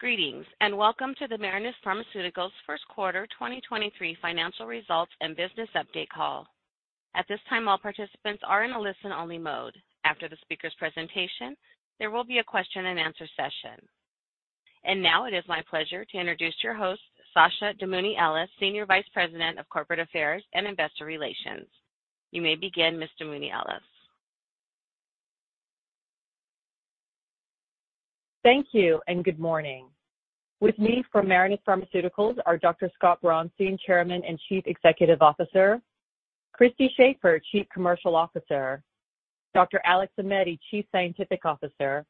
Greetings, welcome to the Marinus Pharmaceuticals Q1 2023 financial results and business update call. At this time, all participants are in a listen-only mode. After the speaker's presentation, there will be a question and answer session. Now it is my pleasure to introduce your host, Sonya Weigle, Senior Vice President of Corporate Affairs and Investor Relations. You may begin, Miss Weigle. Thank you. Good morning. With me from Marinus Pharmaceuticals are Dr. Scott Braunstein, Chairman and Chief Executive Officer, Christy Shafer, Chief Commercial Officer, Dr. Alex Aimetti, Chief Scientific Officer,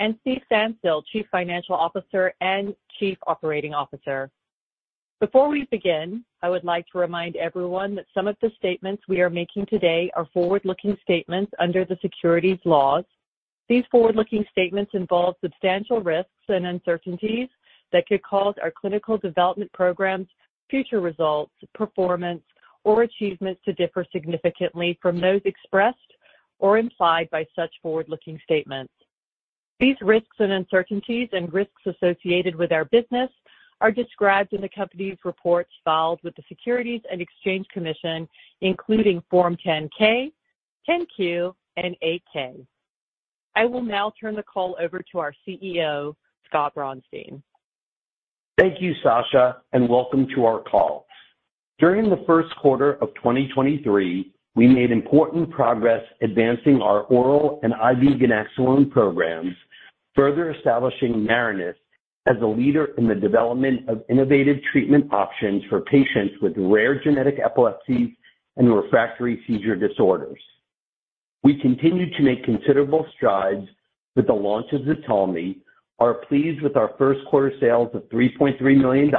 and Steven Pfanstiel, Chief Financial Officer and Chief Operating Officer. Before we begin, I would like to remind everyone that some of the statements we are making today are forward-looking statements under the securities laws. These forward-looking statements involve substantial risks and uncertainties that could cause our clinical development programs, future results, performance, or achievements to differ significantly from those expressed or implied by such forward-looking statements. These risks and uncertainties and risks associated with our business are described in the company's reports filed with the Securities and Exchange Commission, including Form 10-K, 10-Q, and 8-K. I will now turn the call over to our CEO, Scott Braunstein. Thank you, Sonya, welcome to our call. During the Q1 of 2023, we made important progress advancing our oral and IV ganaxolone programs, further establishing Marinus as a leader in the development of innovative treatment options for patients with rare genetic epilepsies and refractory seizure disorders. We continue to make considerable strides with the launch of ZTALMY, are pleased with our Q1 sales of $3.3 million,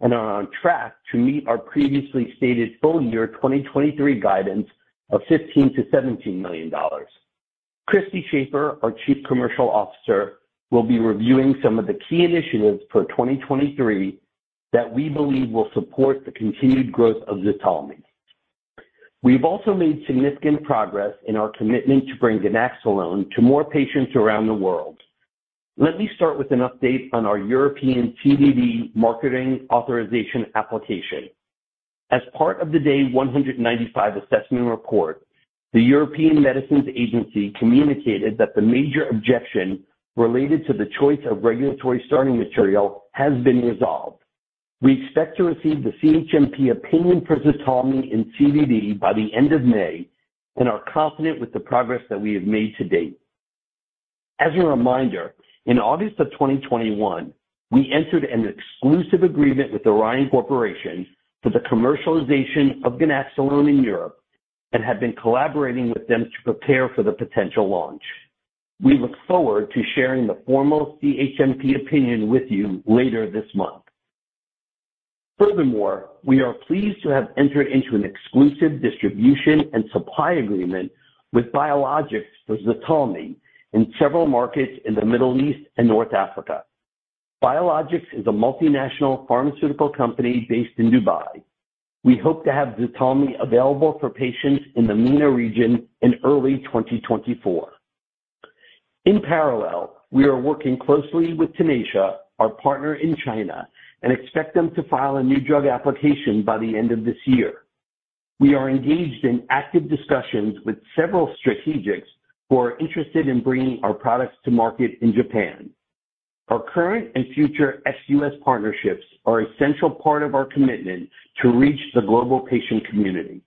and are on track to meet our previously stated full year 2023 guidance of $15 million-$17 million. Christy Shafer, our Chief Commercial Officer, will be reviewing some of the key initiatives for 2023 that we believe will support the continued growth of ZTALMY. We've also made significant progress in our commitment to bring ganaxolone to more patients around the world. Let me start with an update on our European CDD marketing authorization application. As part of the day 195 assessment report, the European Medicines Agency communicated that the major objection related to the choice of regulatory starting material has been resolved. We expect to receive the CHMP opinion for ZTALMY in CDD by the end of May and are confident with the progress that we have made to date. As a reminder, in August of 2021, we entered an exclusive agreement with Orion Corporation for the commercialization of ganaxolone in Europe and have been collaborating with them to prepare for the potential launch. We look forward to sharing the formal CHMP opinion with you later this month. Furthermore, we are pleased to have entered into an exclusive distribution and supply agreement with Biologix for ZTALMY in several markets in the Middle East and North Africa. Biologix is a multinational pharmaceutical company based in Dubai. We hope to have ZTALMY available for patients in the MENA region in early 2024. In parallel, we are working closely with Tenacia, our partner in China, and expect them to file a new drug application by the end of this year. We are engaged in active discussions with several strategics who are interested in bringing our products to market in Japan. Our current and future ex-US partnerships are a central part of our commitment to reach the global patient community.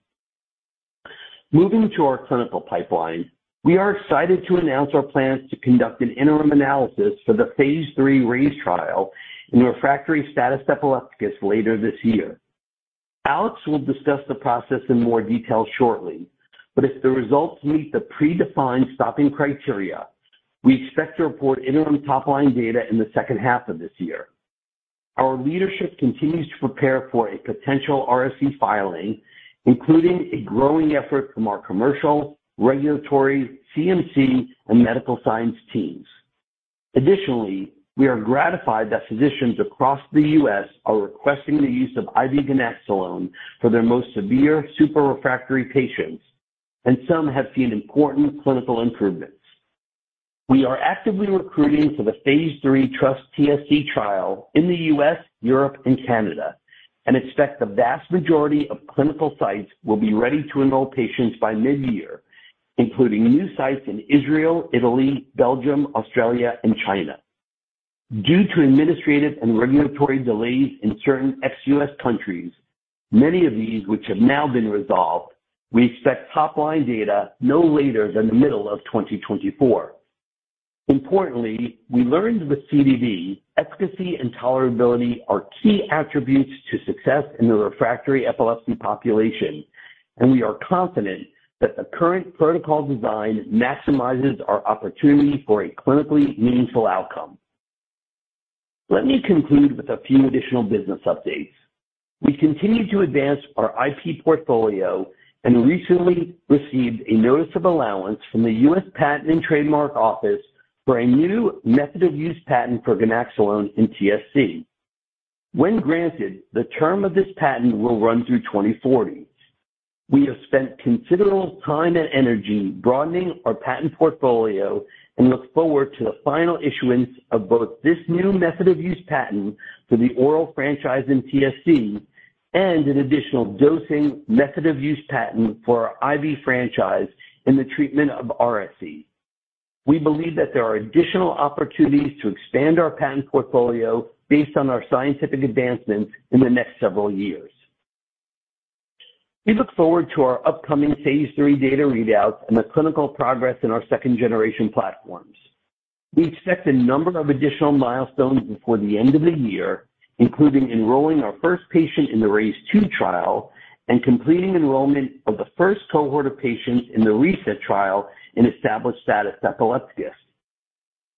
Moving to our clinical pipeline, we are excited to announce our plans to conduct an interim analysis for the phase III RAISE trial in refractory status epilepticus later this year. Alex will discuss the process in more detail shortly, if the results meet the predefined stopping criteria, we expect to report interim top-line data in the second half of this year. Our leadership continues to prepare for a potential RSE filing, including a growing effort from our commercial, regulatory, CMC, and medical science teams. We are gratified that physicians across the U.S. are requesting the use of IV ganaxolone for their most severe super refractory patients, and some have seen important clinical improvements. We are actively recruiting for the phase III TrustTSC trial in the U.S., Europe, and Canada, and expect the vast majority of clinical sites will be ready to enroll patients by mid-year, including new sites in Israel, Italy, Belgium, Australia, and China. Due to administrative and regulatory delays in certain ex-U.S. countries, many of these which have now been resolved, we expect top-line data no later than the middle of 2024. Importantly, we learned with CDD efficacy and tolerability are key attributes to success in the refractory epilepsy population, and we are confident that the current protocol design maximizes our opportunity for a clinically meaningful outcome. Let me conclude with a few additional business updates. We continue to advance our IP portfolio and recently received a notice of allowance from the US Patent and Trademark Office for a new method of use patent for ganaxolone in TSC. When granted, the term of this patent will run through 2040. We have spent considerable time and energy broadening our patent portfolio and look forward to the final issuance of both this new method of use patent for the oral franchise in TSC and an additional dosing method of use patent for our IV franchise in the treatment of RSE. We believe that there are additional opportunities to expand our patent portfolio based on our scientific advancements in the next several years. We look forward to our upcoming phase III data readouts and the clinical progress in our second generation platforms. We expect a number of additional milestones before the end of the year, including enrolling our first patient in the RAISE II trial and completing enrollment of the first cohort of patients in the RESET trial in established status epilepticus.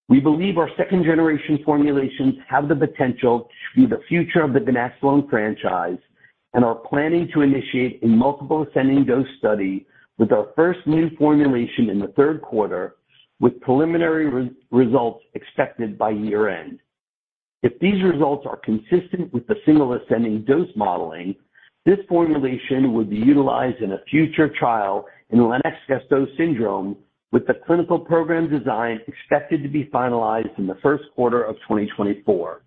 We believe our second generation formulations have the potential to be the future of the ganaxolone franchise and are planning to initiate a multiple ascending dose study with our first new formulation in the Q3, with preliminary results expected by year-end. If these results are consistent with the single ascending dose modeling, this formulation would be utilized in a future trial in Lennox-Gastaut syndrome, with the clinical program design expected to be finalized in the Q1 of 2024.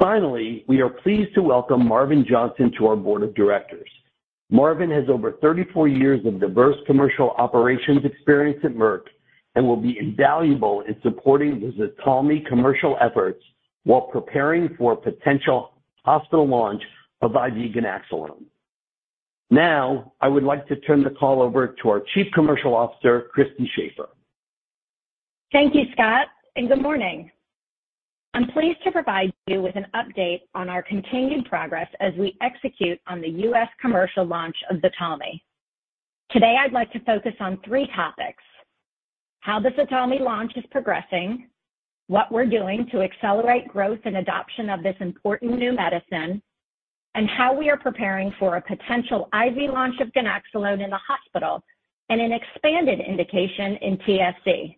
Finally, we are pleased to welcome Marvin Johnson to our board of directors. Marvin has over 34 years of diverse commercial operations experience at Merck and will be invaluable in supporting the ZTALMY commercial efforts while preparing for potential hospital launch of IV ganaxolone. Now, I would like to turn the call over to our Chief Commercial Officer, Christy Shafer. Thank you, Scott, and good morning. I'm pleased to provide you with an update on our continued progress as we execute on the U.S. commercial launch of ZTALMY. Today, I'd like to focus on three topics: how the ZTALMY launch is progressing, what we're doing to accelerate growth and adoption of this important new medicine, and how we are preparing for a potential IV launch of ganaxolone in the hospital and an expanded indication in TSC.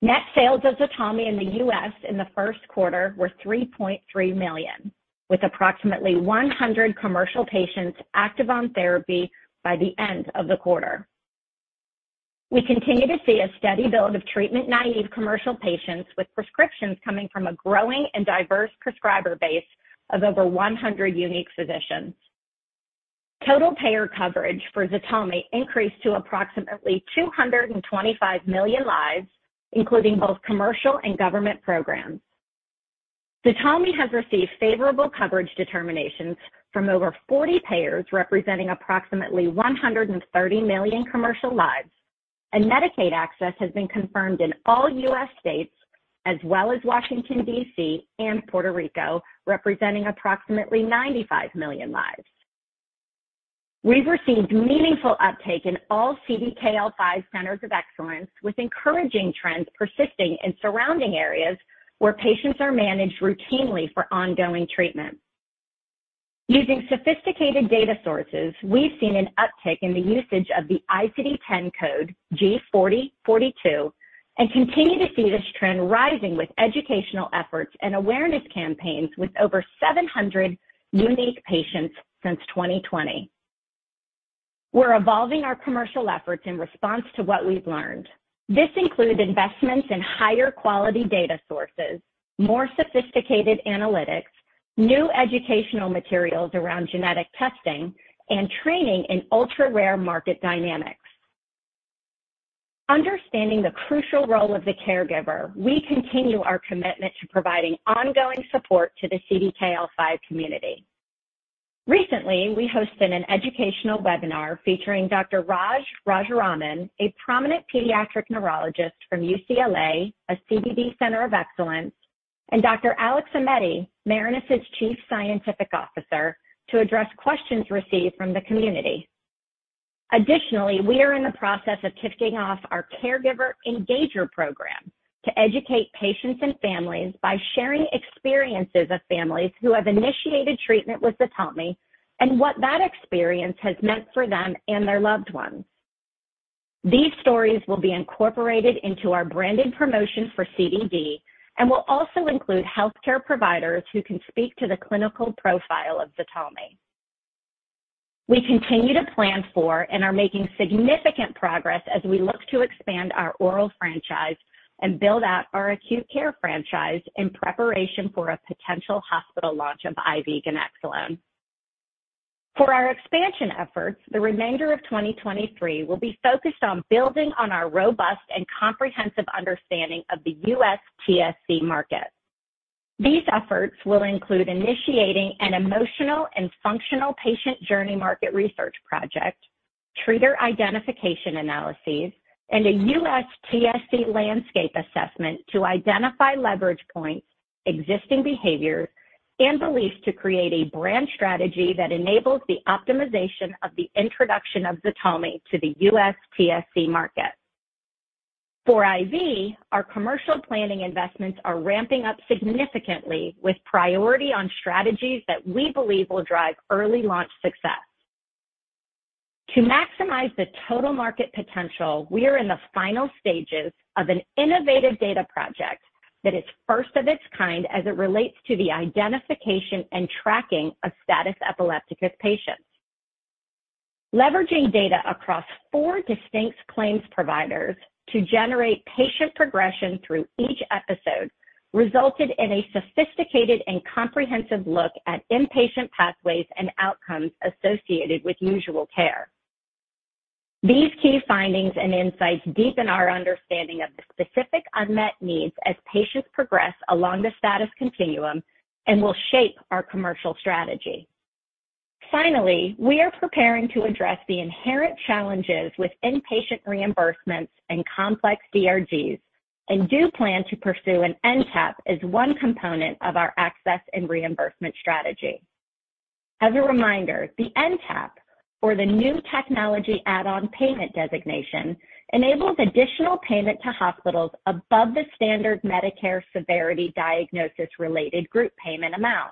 Net sales of ZTALMY in the U.S. in the Q1 were $3.3 million, with approximately 100 commercial patients active on therapy by the end of the quarter. We continue to see a steady build of treatment-naive commercial patients with prescriptions coming from a growing and diverse prescriber base of over 100 unique physicians. Total payer coverage for ZTALMY increased to approximately 225 million lives, including both commercial and government programs. ZTALMY has received favorable coverage determinations from over 40 payers, representing approximately 130 million commercial lives, and Medicaid access has been confirmed in all U.S. states as well as Washington, D.C., and Puerto Rico, representing approximately 95 million lives. We've received meaningful uptake in all CDKL5 Centers of Excellence, with encouraging trends persisting in surrounding areas where patients are managed routinely for ongoing treatment. Using sophisticated data sources, we've seen an uptick in the usage of the ICD-10 code G40.42 and continue to see this trend rising with educational efforts and awareness campaigns with over 700 unique patients since 2020. We're evolving our commercial efforts in response to what we've learned. This includes investments in higher quality data sources, more sophisticated analytics, new educational materials around genetic testing, and training in ultra-rare market dynamics. Understanding the crucial role of the caregiver, we continue our commitment to providing ongoing support to the CDKL5 community. Recently, we hosted an educational webinar featuring Dr. Raj Rajaraman, a prominent pediatric neurologist from UCLA, a CDD Center of Excellence, and Dr. Alex Aimetti, Marinus' Chief Scientific Officer, to address questions received from the community. Additionally, we are in the process of kicking off our caregiver engager program to educate patients and families by sharing experiences of families who have initiated treatment with ZTALMY and what that experience has meant for them and their loved ones. These stories will be incorporated into our branded promotions for CDD and will also include healthcare providers who can speak to the clinical profile of ZTALMY. We continue to plan for and are making significant progress as we look to expand our oral franchise and build out our acute care franchise in preparation for a potential hospital launch of IV ganaxolone. For our expansion efforts, the remainder of 2023 will be focused on building on our robust and comprehensive understanding of the US TSC market. These efforts will include initiating an emotional and functional patient journey market research project, treater identification analyses, and a US TSC landscape assessment to identify leverage points, existing behaviors, and beliefs to create a brand strategy that enables the optimization of the introduction of ZTALMY to the US TSC market. For IV, our commercial planning investments are ramping up significantly with priority on strategies that we believe will drive early launch success. To maximize the total market potential, we are in the final stages of an innovative data project that is first of its kind as it relates to the identification and tracking of status epilepticus patients. Leveraging data across four distinct claims providers to generate patient progression through each episode resulted in a sophisticated and comprehensive look at inpatient pathways and outcomes associated with usual care. These key findings and insights deepen our understanding of the specific unmet needs as patients progress along the status continuum and will shape our commercial strategy. Finally, we are preparing to address the inherent challenges with inpatient reimbursements and complex DRGs and do plan to pursue an NTAP as one component of our access and reimbursement strategy. As a reminder, the NTAP, or the new technology add-on payment designation, enables additional payment to hospitals above the standard Medicare severity diagnosis-related group payment amount.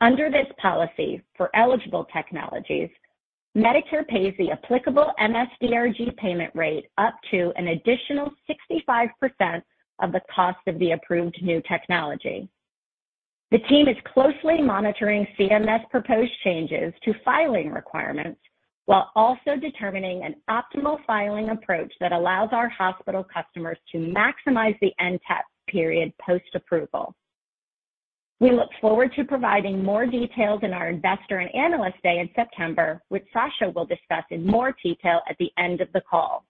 Under this policy, for eligible technologies, Medicare pays the applicable MS-DRG payment rate up to an additional 65% of the cost of the approved new technology. The team is closely monitoring CMS proposed changes to filing requirements while also determining an optimal filing approach that allows our hospital customers to maximize the NTAP period post-approval. We look forward to providing more details in our Investor and Analyst Day in September, which Sonya will discuss in more detail at the end of the call.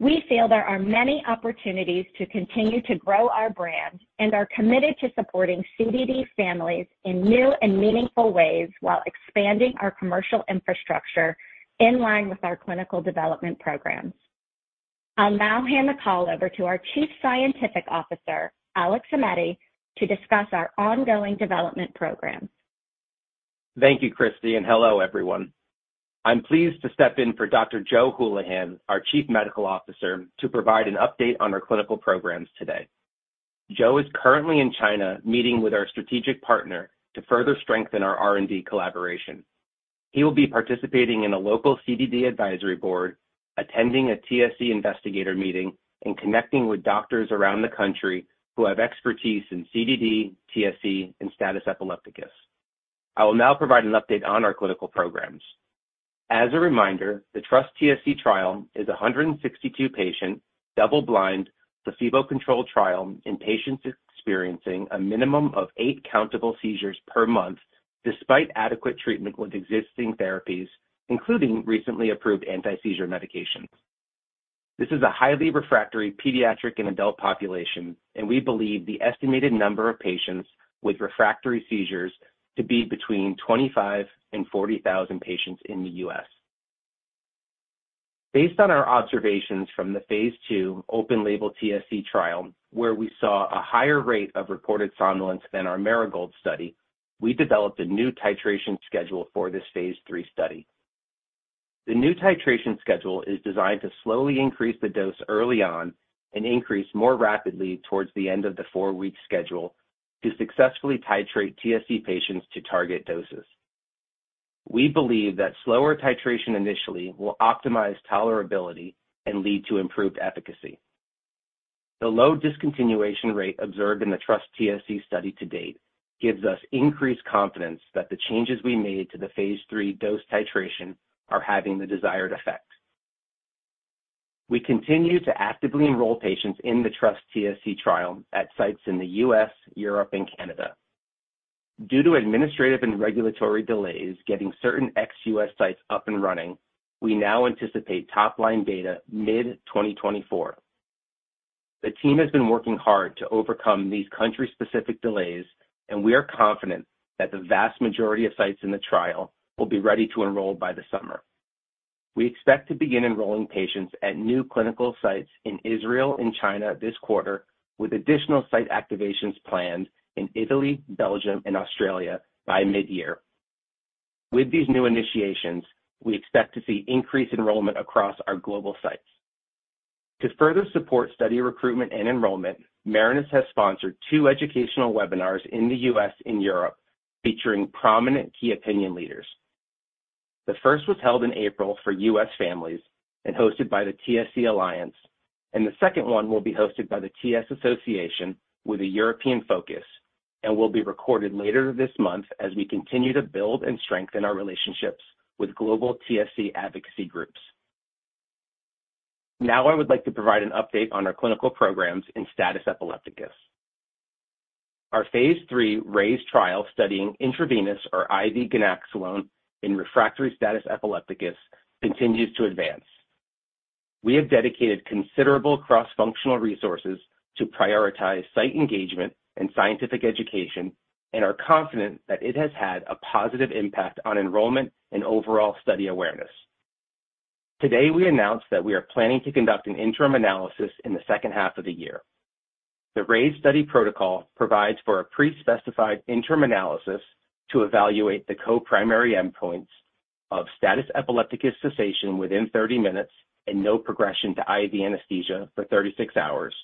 We feel there are many opportunities to continue to grow our brand and are committed to supporting CDD families in new and meaningful ways while expanding our commercial infrastructure in line with our clinical development programs. I'll now hand the call over to our Chief Scientific Officer, Alex Aimetti, to discuss our ongoing development programs. Thank you, Christy. Hello, everyone. I'm pleased to step in for Dr. Joseph Hulihan, our Chief Medical Officer, to provide an update on our clinical programs today. Joe is currently in China meeting with our strategic partner to further strengthen our R&D collaboration. He will be participating in a local CDD advisory board, attending a TSC investigator meeting, and connecting with doctors around the country who have expertise in CDD, TSC, and status epilepticus. I will now provide an update on our clinical programs. As a reminder, the TrustTSC trial is a 162 patient, double-blind, placebo-controlled trial in patients experiencing a minimum of eight countable seizures per month despite adequate treatment with existing therapies, including recently approved anti-seizure medications. This is a highly refractory pediatric and adult population. We believe the estimated number of patients with refractory seizures to be between 25,000 and 40,000 patients in the U.S. Based on our observations from the phase II open label TSC trial, where we saw a higher rate of reported somnolence than our Marigold study, we developed a new titration schedule for this phase III study. The new titration schedule is designed to slowly increase the dose early on and increase more rapidly towards the end of the four-week schedule to successfully titrate TSC patients to target doses. We believe that slower titration initially will optimize tolerability and lead to improved efficacy. The low discontinuation rate observed in the TrustTSC study to date gives us increased confidence that the changes we made to the phase III dose titration are having the desired effect. We continue to actively enroll patients in the TrustTSC trial at sites in the U.S., Europe, and Canada. Due to administrative and regulatory delays getting certain ex-U.S. sites up and running, we now anticipate top-line data mid-2024. The team has been working hard to overcome these country-specific delays, we are confident that the vast majority of sites in the trial will be ready to enroll by the summer. We expect to begin enrolling patients at new clinical sites in Israel and China this quarter, with additional site activations planned in Italy, Belgium, and Australia by mid-year. With these new initiations, we expect to see increased enrollment across our global sites. To further support study recruitment and enrollment, Marinus has sponsored two educational webinars in the U.S. and Europe featuring prominent key opinion leaders. The first was held in April for U.S. families and hosted by the TSC Alliance, and the second one will be hosted by the TS Association with a European focus and will be recorded later this month as we continue to build and strengthen our relationships with global TSC advocacy groups. I would like to provide an update on our clinical programs in status epilepticus. Our phase III RAISE trial studying intravenous or IV ganaxolone in refractory status epilepticus continues to advance. We have dedicated considerable cross-functional resources to prioritize site engagement and scientific education and are confident that it has had a positive impact on enrollment and overall study awareness. Today, we announced that we are planning to conduct an interim analysis in the second half of the year. The RAISE study protocol provides for a pre-specified interim analysis to evaluate the co-primary endpoints of status epilepticus cessation within 30 minutes and no progression to IV anesthesia for 36 hours.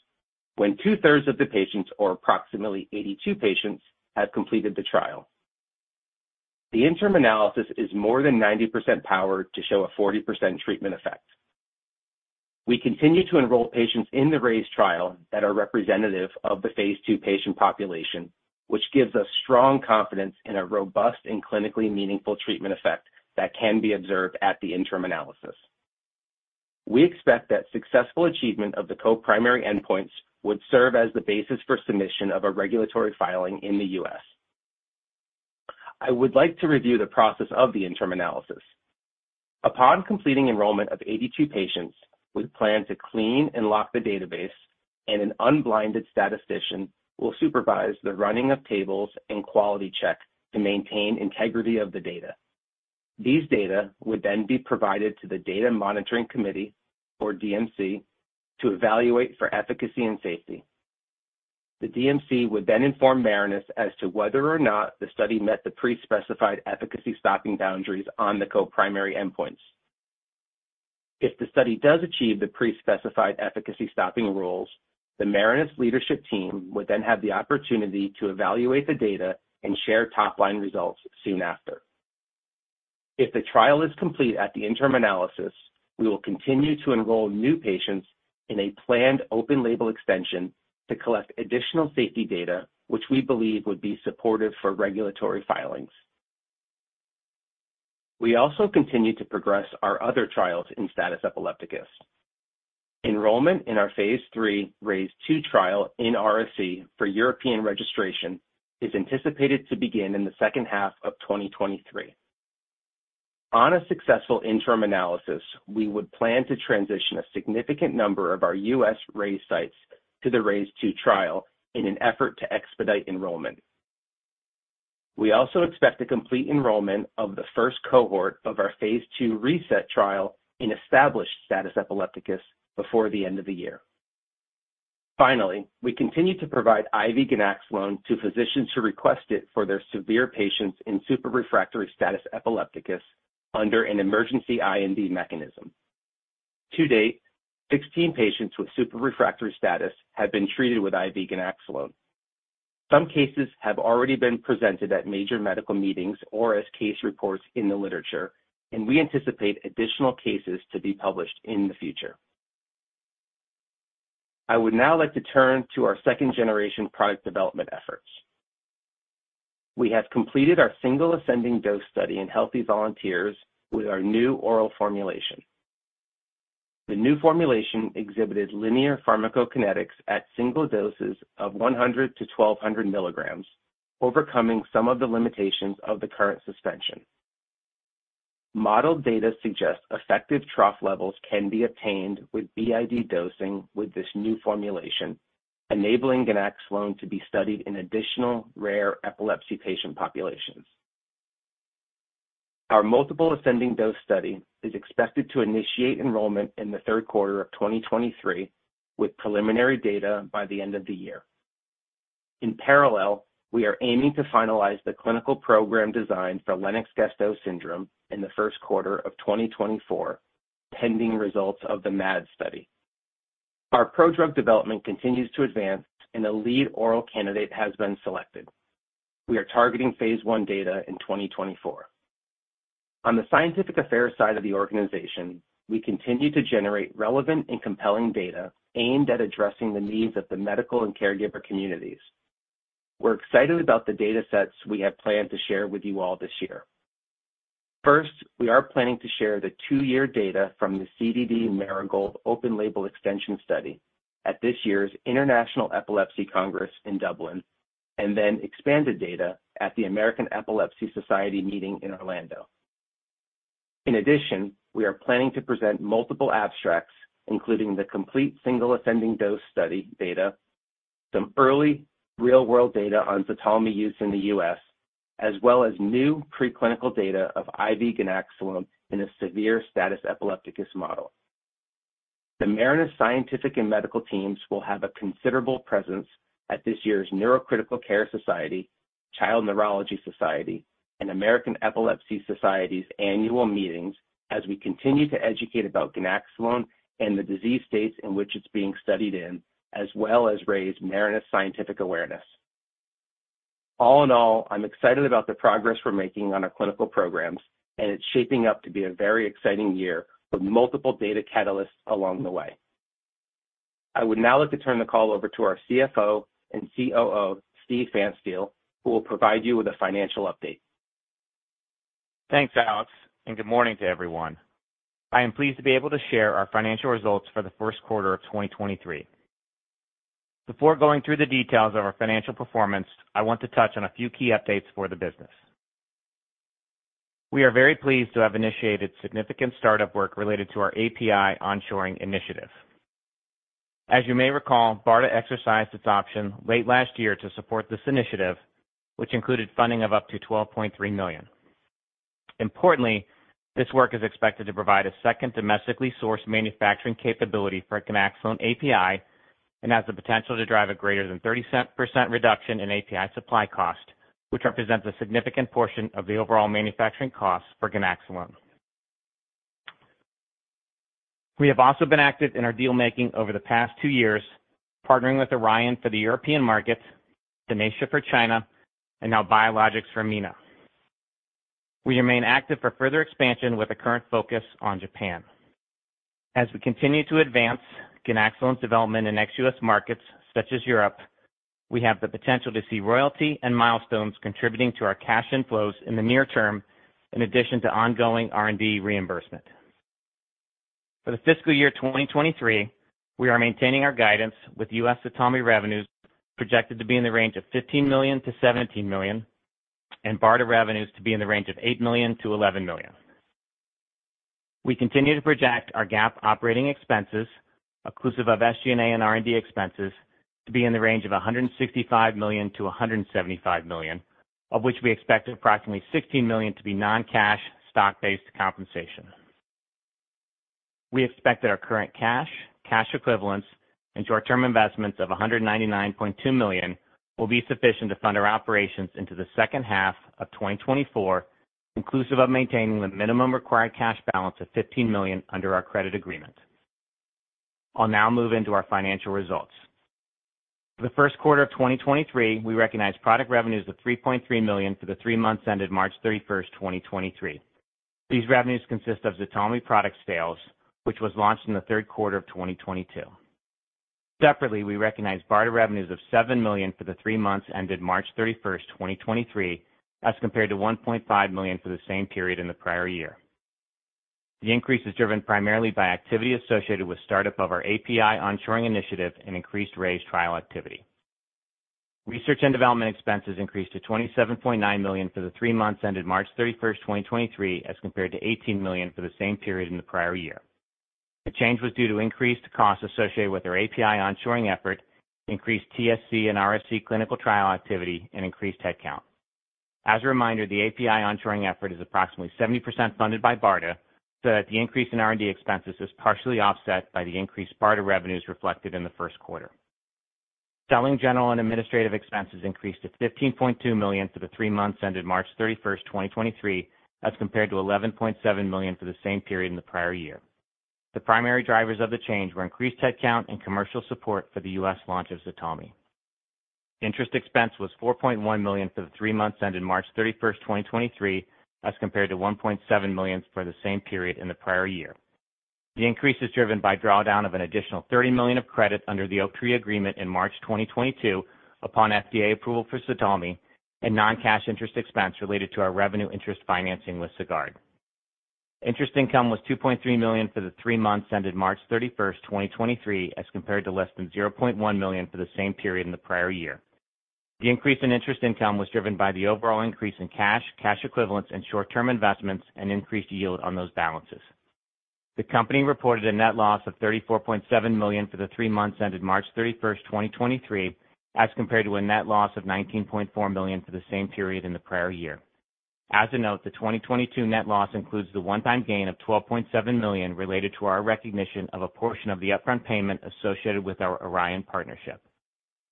When two-thirds of the patients, or approximately 82 patients, have completed the trial. The interim analysis is more than 90% powered to show a 40% treatment effect. We continue to enroll patients in the RAISE trial that are representative of the phase II patient population, which gives us strong confidence in a robust and clinically meaningful treatment effect that can be observed at the interim analysis. We expect that successful achievement of the co-primary endpoints would serve as the basis for submission of a regulatory filing in the U.S. I would like to review the process of the interim analysis. Upon completing enrollment of 82 patients, we plan to clean and lock the database, and an unblinded statistician will supervise the running of tables and quality checks to maintain integrity of the data. These data would then be provided to the Data Monitoring Committee, or DMC, to evaluate for efficacy and safety. The DMC would then inform Marinus as to whether or not the study met the pre-specified efficacy stopping boundaries on the co-primary endpoints. If the study does achieve the pre-specified efficacy stopping rules, the Marinus leadership team would then have the opportunity to evaluate the data and share top-line results soon after. If the trial is complete at the interim analysis, we will continue to enroll new patients in a planned open label extension to collect additional safety data, which we believe would be supportive for regulatory filings. We also continue to progress our other trials in status epilepticus. Enrollment in our phase III RAISE II trial in RSE for European registration is anticipated to begin in the second half of 2023. On a successful interim analysis, we would plan to transition a significant number of our U.S. RAISE sites to the RAISE II trial in an effort to expedite enrollment. We also expect to complete enrollment of the first cohort of our phase II RESET trial in established status epilepticus before the end of the year. Finally, we continue to provide IV ganaxolone to physicians who request it for their severe patients in super-refractory status epilepticus under an emergency IND mechanism. To date, 16 patients with super-refractory status have been treated with IV ganaxolone. Some cases have already been presented at major medical meetings or as case reports in the literature. We anticipate additional cases to be published in the future. I would now like to turn to our second-generation product development efforts. We have completed our single ascending dose study in healthy volunteers with our new oral formulation. The new formulation exhibited linear pharmacokinetics at single doses of 100-1,200 milligrams, overcoming some of the limitations of the current suspension. Modeled data suggests effective trough levels can be obtained with BID dosing with this new formulation, enabling ganaxolone to be studied in additional rare epilepsy patient populations. Our multiple ascending dose study is expected to initiate enrollment in the Q3 of 2023, with preliminary data by the end of the year. In parallel, we are aiming to finalize the clinical program design for Lennox-Gastaut syndrome in the Q1 of 2024, pending results of the MAD study. Our prodrug development continues to advance, a lead oral candidate has been selected. We are targeting phase I data in 2024. On the scientific affairs side of the organization, we continue to generate relevant and compelling data aimed at addressing the needs of the medical and caregiver communities. We're excited about the datasets we have planned to share with you all this year. First, we are planning to share the 2-year data from the CDD Marigold open label extension study at this year's International Epilepsy Congress in Dublin, expanded data at the American Epilepsy Society meeting in Orlando. In addition, we are planning to present multiple abstracts, including the complete single ascending dose study data, some early real-world data on ZTALMY use in the U.S., as well as new preclinical data of IV ganaxolone in a severe status epilepticus model. The Marinus scientific and medical teams will have a considerable presence at this year's Neurocritical Care Society, Child Neurology Society, and American Epilepsy Society's annual meetings as we continue to educate about ganaxolone and the disease states in which it's being studied in, as well as raise Marinus scientific awareness. All in all, I'm excited about the progress we're making on our clinical programs, and it's shaping up to be a very exciting year with multiple data catalysts along the way. I would now like to turn the call over to our CFO and COO, Steven Pfanstiel, who will provide you with a financial update. Thanks, Alex. Good morning to everyone. I am pleased to be able to share our financial results for the first quarter of 2023. Before going through the details of our financial performance, I want to touch on a few key updates for the business. We are very pleased to have initiated significant startup work related to our API onshoring initiative. As you may recall, BARDA exercised its option late last year to support this initiative, which included funding of up to $12.3 million. Importantly, this work is expected to provide a second domestically sourced manufacturing capability for ganaxolone API and has the potential to drive a greater than 30% reduction in API supply cost, which represents a significant portion of the overall manufacturing costs for ganaxolone. We have also been active in our deal-making over the past two years, partnering with Orion for the European market, Tenacia for China, and now Biologix for MENA. We remain active for further expansion with a current focus on Japan. As we continue to advance ganaxolone's development in ex US markets such as Europe, we have the potential to see royalty and milestones contributing to our cash inflows in the near term, in addition to ongoing R&D reimbursement. For the fiscal year 2023, we are maintaining our guidance with U.S. ZTALMY revenues projected to be in the range of $15 million-$17 million, and BARDA revenues to be in the range of $8 million-$11 million. We continue to project our GAAP operating expenses, inclusive of SG&A and R&D expenses, to be in the range of $165 million-$175 million, of which we expect approximately $16 million to be non-cash stock-based compensation. We expect that our current cash equivalents and short-term investments of $199.2 million will be sufficient to fund our operations into the second half of 2024, inclusive of maintaining the minimum required cash balance of $15 million under our credit agreement. I'll now move into our financial results. For the Q1 of 2023, we recognized product revenues of $3.3 million for the three months ended March 31st, 2023. These revenues consist of ZTALMY product sales, which was launched in the Q3 of 2022. Separately, we recognized BARDA revenues of $7 million for the three months ended March 31st, 2023, as compared to $1.5 million for the same period in the prior year. The increase is driven primarily by activity associated with startup of our API onshoring initiative and increased RAISE trial activity. Research and development expenses increased to $27.9 million for the three months ended March 31st, 2023, as compared to $18 million for the same period in the prior year. The change was due to increased costs associated with our API onshoring effort, increased TSC and RSE clinical trial activity, and increased headcount. As a reminder, the API onshoring effort is approximately 70% funded by BARDA, so that the increase in R&D expenses is partially offset by the increased BARDA revenues reflected in the Q1. Selling general and administrative expenses increased to $15.2 million for the three months ended March 31, 2023, as compared to $11.7 million for the same period in the prior year. The primary drivers of the change were increased head count and commercial support for the U.S. launch of ZTALMY. Interest expense was $4.1 million for the three months ended March 31, 2023, as compared to $1.7 million for the same period in the prior year. The increase is driven by drawdown of an additional $30 million of credit under the Oaktree agreement in March 2022 upon FDA approval for ZTALMY and non-cash interest expense related to our revenue interest financing with Sagard. Interest income was $2.3 million for the three months ended March 31st, 2023, as compared to less than $0.1 million for the same period in the prior year. The increase in interest income was driven by the overall increase in cash equivalents and short-term investments and increased yield on those balances. The company reported a net loss of $34.7 million for the three months ended March 31st, 2023, as compared to a net loss of $19.4 million for the same period in the prior year. As a note, the 2022 net loss includes the one-time gain of $12.7 million related to our recognition of a portion of the upfront payment associated with our Orion partnership.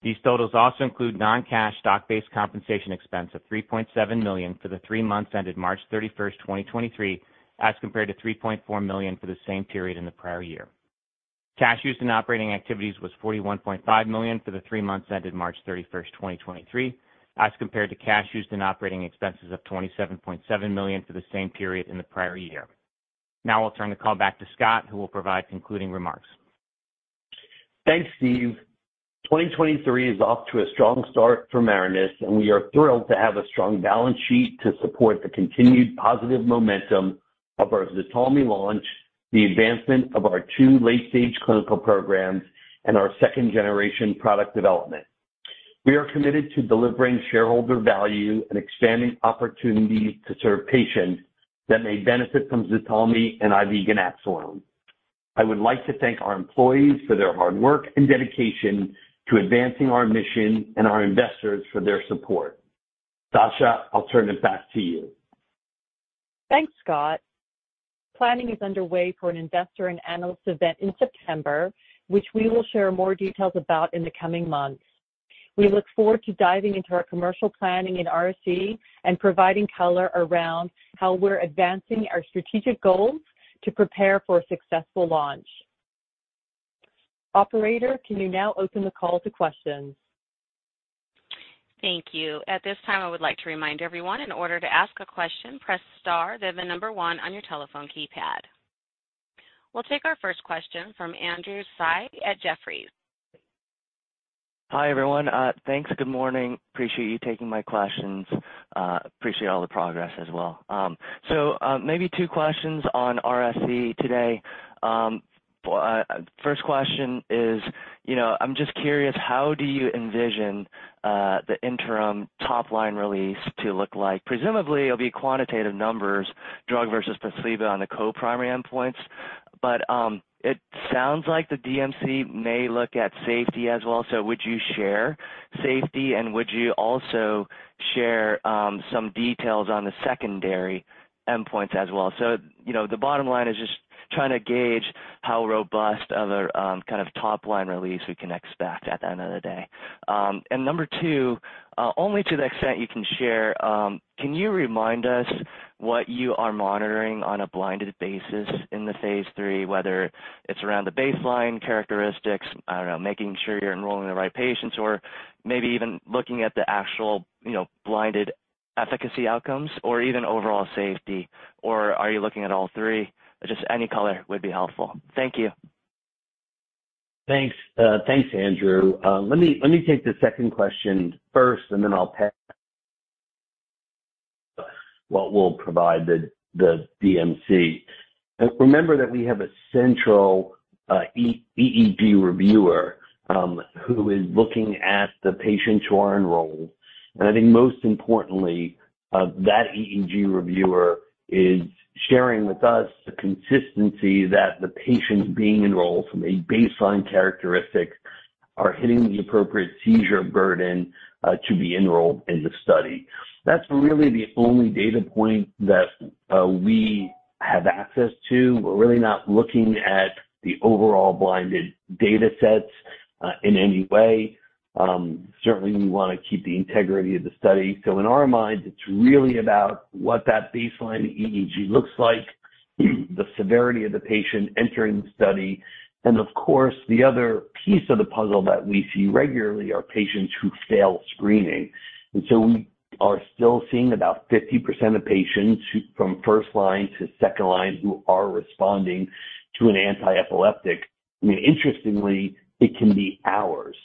These totals also include non-cash stock-based compensation expense of $3.7 million for the three months ended March 31, 2023, as compared to $3.4 million for the same period in the prior year. Cash used in operating activities was $41.5 million for the three months ended March 31, 2023, as compared to cash used in operating expenses of $27.7 million for the same period in the prior year. I'll turn the call back to Scott, who will provide concluding remarks. Thanks, Steve. 2023 is off to a strong start for Marinus, and we are thrilled to have a strong balance sheet to support the continued positive momentum of our ZTALMY launch, the advancement of our two late-stage clinical programs, and our second-generation product development. We are committed to delivering shareholder value and expanding opportunities to serve patients that may benefit from ZTALMY and IV ganaxolone. I would like to thank our employees for their hard work and dedication to advancing our mission and our investors for their support. Tasha, I'll turn it back to you. Thanks, Scott. Planning is underway for an investor and analyst event in September, which we will share more details about in the coming months. We look forward to diving into our commercial planning in RSE and providing color around how we're advancing our strategic goals to prepare for a successful launch. Operator, can you now open the call to questions? Thank you. At this time, I would like to remind everyone in order to ask a question, press star, then the number one on your telephone keypad. We'll take our first question from Andrew Tsai at Jefferies. Hi, everyone. Thanks. Good morning. Appreciate you taking my questions. Appreciate all the progress as well. Maybe two questions on RSE today. First question is, you know, I'm just curious, how do you envision the interim top-line release to look like? Presumably, it'll be quantitative numbers, drug versus placebo on the co-primary endpoints. It sounds like the DMC may look at safety as well. Would you share safety, and would you also share some details on the secondary endpoints as well? You know, the bottom line is just trying to gauge how robust of a kind of top line release we can expect at the end of the day? number 2, only to the extent you can share, can you remind us what you are monitoring on a blinded basis in the phase III, whether it's around the baseline characteristics, I don't know, making sure you're enrolling the right patients or maybe even looking at the actual, you know, blinded efficacy outcomes or even overall safety, or are you looking at all 3? Just any color would be helpful. Thank you. Thanks. Thanks, Andrew. Let me take the second question first, and then I'll pass what we'll provide the DMC. Remember that we have a central cEEG reviewer who is looking at the patients who are enrolled. I think most importantly, that EEG reviewer is sharing with us the consistency that the patients being enrolled from a baseline characteristic are hitting the appropriate seizure burden to be enrolled in the study. That's really the only data point that we have access to. We're really not looking at the overall blinded datasets in any way. Certainly we want to keep the integrity of the study. In our minds, it's really about what that baseline EEG looks like, the severity of the patient entering the study. The other piece of the puzzle that we see regularly are patients who fail screening. We are still seeing about 50% of patients who from first line to second line who are responding to an antiepileptic. I mean, interestingly, it can be hours.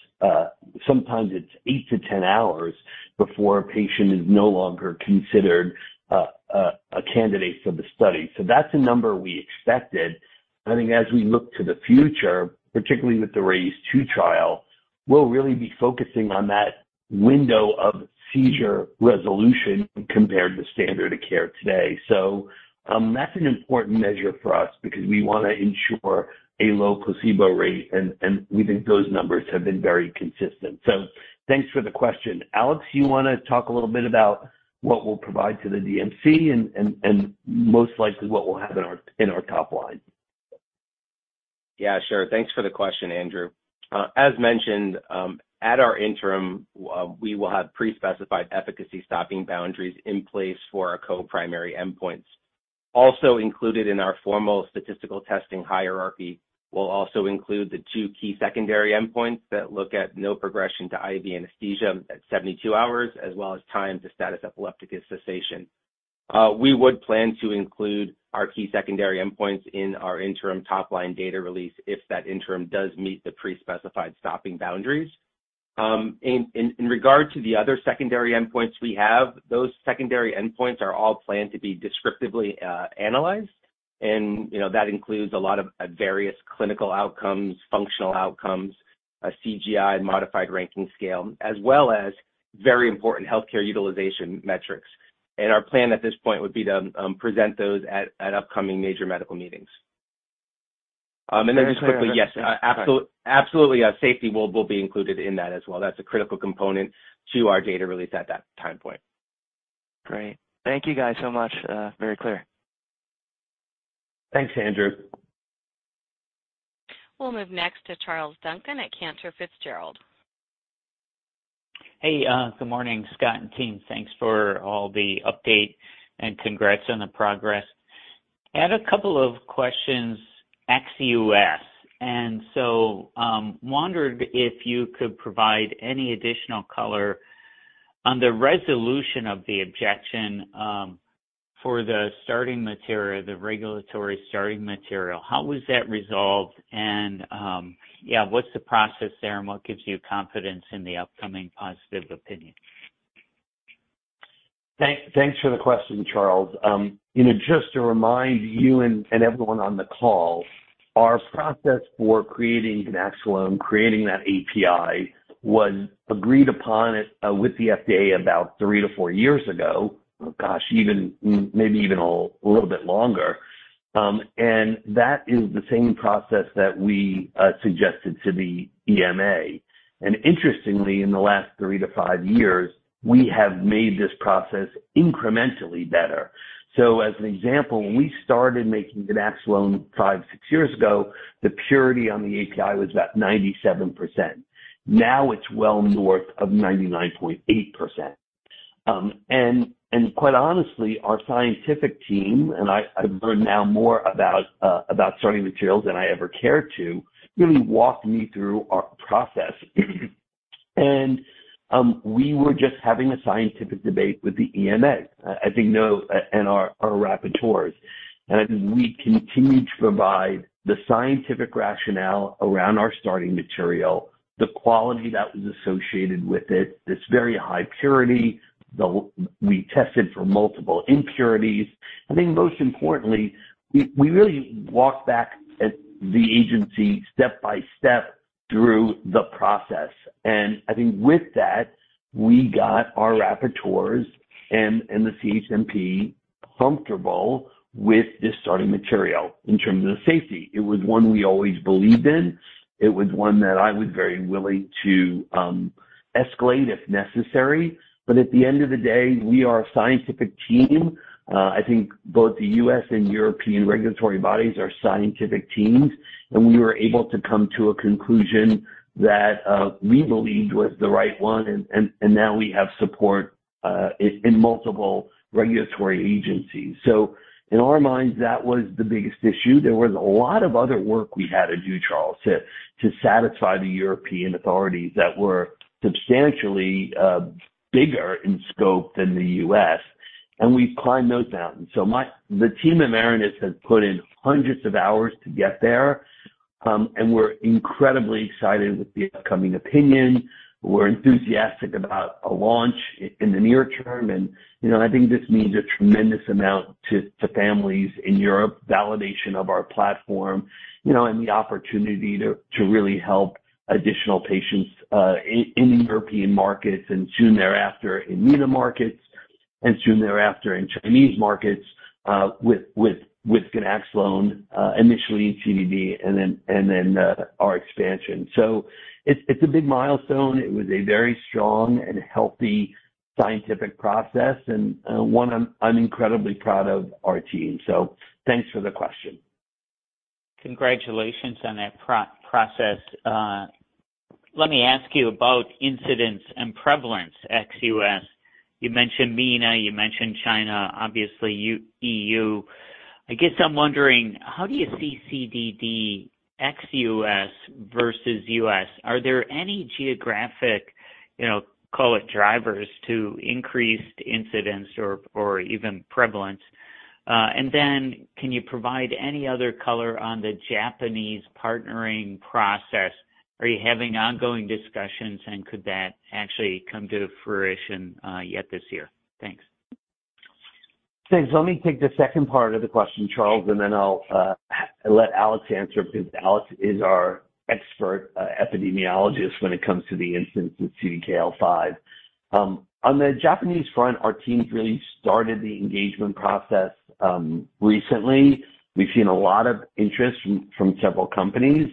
Sometimes it's 8-10 hours before a patient is no longer considered a candidate for the study. That's a number we expected. I think as we look to the future, particularly with the RAISE II trial, we'll really be focusing on that window of seizure resolution compared to standard of care today. That's an important measure for us because we wanna ensure a low placebo rate, and we think those numbers have been very consistent. Thanks for the question. Alex, you wanna talk a little bit about what we'll provide to the DMC and most likely what we'll have in our top line? Yeah, sure. Thanks for the question, Andrew. As mentioned, at our interim, we will have pre-specified efficacy stopping boundaries in place for our co-primary endpoints. Also included in our formal statistical testing hierarchy will also include the two key secondary endpoints that look at no progression to IV anesthesia at 72 hours, as well as time to status epilepticus cessation. We would plan to include our key secondary endpoints in our interim top line data release if that interim does meet the pre-specified stopping boundaries. In regard to the other secondary endpoints we have, those secondary endpoints are all planned to be descriptively analyzed. You know, that includes a lot of various clinical outcomes, functional outcomes, a CGI modified ranking scale, as well as very important healthcare utilization metrics. Our plan at this point would be to present those at upcoming major medical meetings. Just quickly, yes, absolutely, safety will be included in that as well. That's a critical component to our data release at that time point. Great. Thank you guys so much. Very clear. Thanks, Andrew. We'll move next to Charles Duncan at Cantor Fitzgerald. Hey, good morning, Scott and team. Thanks for all the update and congrats on the progress. I had a couple of questions ex-U.S. Wondered if you could provide any additional color on the resolution of the objection for the starting material, the regulatory starting material. How was that resolved? Yeah, what's the process there and what gives you confidence in the upcoming positive opinion? Thanks for the question, Charles. you know, just to remind you and everyone on the call, our process for creating ganaxolone, creating that API, was agreed upon with the FDA about three to four years ago. Gosh, even maybe even a little bit longer. That is the same process that we suggested to the EMA. Interestingly, in the last three to fiv years, we have made this process incrementally better. As an example, when we started making ganaxolone five, six years ago, the purity on the API was about 97%. Now it's well north of 99.8%. And quite honestly, our scientific team, and I've heard now more about about starting materials than I ever cared to, really walked me through our process. We were just having a scientific debate with the EMA, as you know, and our rapporteurs. We continued to provide the scientific rationale around our starting material, the quality that was associated with it, this very high purity. We tested for multiple impurities. I think most importantly, we really walked back at the agency step by step through the process. I think with that, we got our rapporteurs and the CHMP comfortable with this starting material in terms of safety. It was one we always believed in. It was one that I was very willing to escalate if necessary. At the end of the day, we are a scientific team. I think both the U.S. and European regulatory bodies are scientific teams. We were able to come to a conclusion that we believed was the right one, and now we have support in multiple regulatory agencies. In our minds, that was the biggest issue. There was a lot of other work we had to do, Charles, to satisfy the European authorities that were substantially bigger in scope than the U.S., and we've climbed those mountains. The team at Marinus has put in hundreds of hours to get there, and we're incredibly excited with the upcoming opinion. We're enthusiastic about a launch in the near term. You know, I think this means a tremendous amount to families in Europe, validation of our platform, you know, and the opportunity to really help additional patients in European markets and soon thereafter in MENA markets and soon thereafter in Chinese markets with ganaxolone initially in CDD and then our expansion. It's a big milestone. It was a very strong and healthy scientific process and one I'm incredibly proud of our team. Thanks for the question. Congratulations on that pro-process. Let me ask you about incidence and prevalence ex-US. You mentioned MENA, you mentioned China, obviously EU. I guess I'm wondering, how do you see CDD ex-US versus US? Are there any geographic, you know, call it drivers to increased incidence or even prevalence? Can you provide any other color on the Japanese partnering process? Are you having ongoing discussions, and could that actually come to fruition yet this year? Thanks. Thanks. Let me take the second part of the question, Charles, then I'll let Alex answer because Alex is our expert epidemiologist when it comes to the incidence of CDKL5. On the Japanese front, our teams really started the engagement process recently. We've seen a lot of interest from several companies.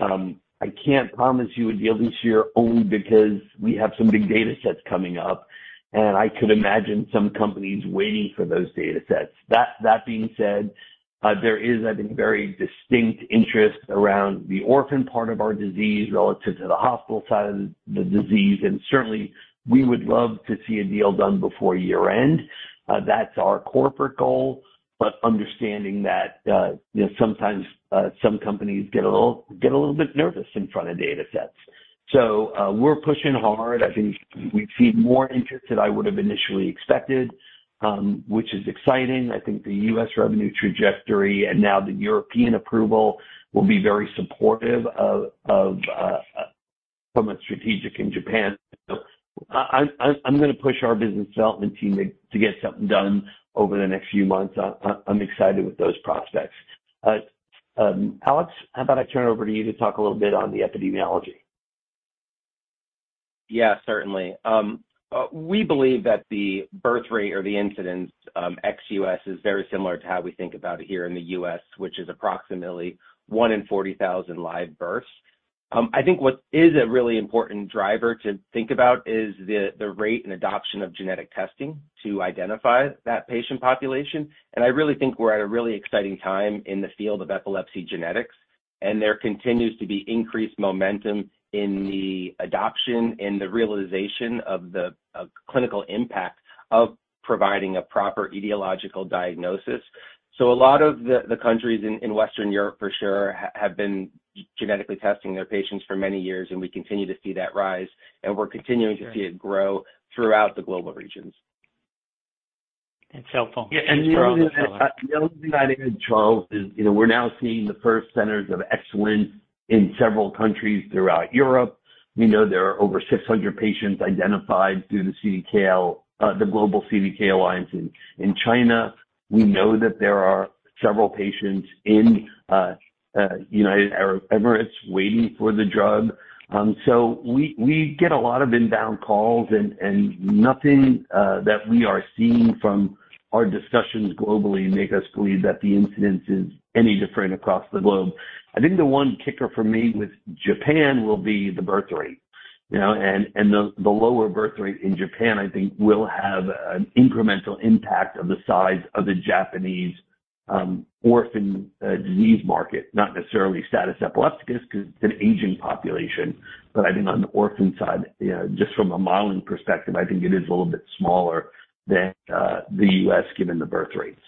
I can't promise you a deal this year only because we have some big datasets coming up, and I could imagine some companies waiting for those datasets. That being said, there is, I think, very distinct interest around the orphan part of our disease relative to the hospital side of the disease. Certainly, we would love to see a deal done before year-end. That's our corporate goal, but understanding that, you know, sometimes, some companies get a little bit nervous in front of datasets. We're pushing hard. I think we've seen more interest than I would have initially expected, which is exciting. I think the U.S. revenue trajectory and now the European approval will be very supportive of, from a strategic in Japan. I'm gonna push our business development team to get something done over the next few months. I'm excited with those prospects. Alex, how about I turn it over to you to talk a little bit on the epidemiology? Yeah, certainly. We believe that the birth rate or the incidence, ex-U.S. is very similar to how we think about it here in the U.S., which is approximately one in 40,000 live births. I think what is a really important driver to think about is the rate and adoption of genetic testing to identify that patient population. I really think we're at a really exciting time in the field of epilepsy genetics, and there continues to be increased momentum in the adoption and the realization of the clinical impact of providing a proper etiological diagnosis. A lot of the countries in Western Europe for sure have been genetically testing their patients for many years, and we continue to see that rise, and we're continuing to see it grow throughout the global regions. And cell phone- Yeah. The other thing I'd add in, Charles, is, you know, we're now seeing the first centers of excellence in several countries throughout Europe. We know there are over 600 patients identified through the global CDKL in China. We know that there are several patients in United Arab Emirates waiting for the drug. We get a lot of inbound calls and nothing that we are seeing from our discussions globally make us believe that the incidence is any different across the globe. I think the one kicker for me with Japan will be the birth rate, you know? The lower birth rate in Japan, I think will have an incremental impact of the size of the Japanese orphan disease market, not necessarily status epilepticus because it's an aging population. I think on the orphan side, you know, just from a modeling perspective, I think it is a little bit smaller than the U.S. given the birth rates.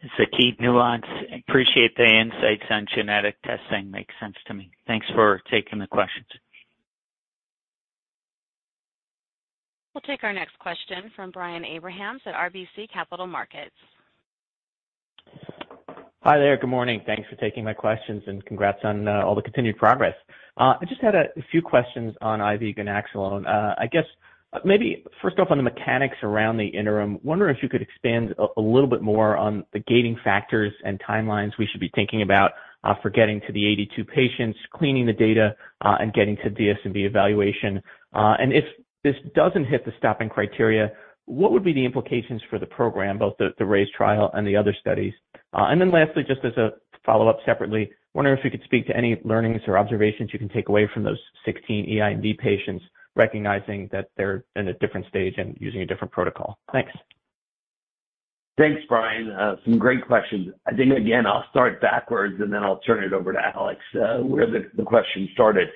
It's a key nuance. Appreciate the insights on genetic testing. Makes sense to me. Thanks for taking the questions. We'll take our next question from Brian Abrahams at RBC Capital Markets. Hi there. Good morning. Thanks for taking my questions, and congrats on all the continued progress. I just had a few questions on IV ganaxolone. I guess maybe first off, on the mechanics around the interim, wonder if you could expand a little bit more on the gating factors and timelines we should be thinking about for getting to the 82 patients, cleaning the data, and getting to DSMB evaluation. If this doesn't hit the stopping criteria, what would be the implications for the program, both the RAISE trial and the other studies? Lastly, just as a follow-up separately, wondering if you could speak to any learnings or observations you can take away from those 16 ESE patients, recognizing that they're in a different stage and using a different protocol. Thanks. Thanks, Brian. Some great questions. I think, again, I'll start backwards, and then I'll turn it over to Alex, where the question started.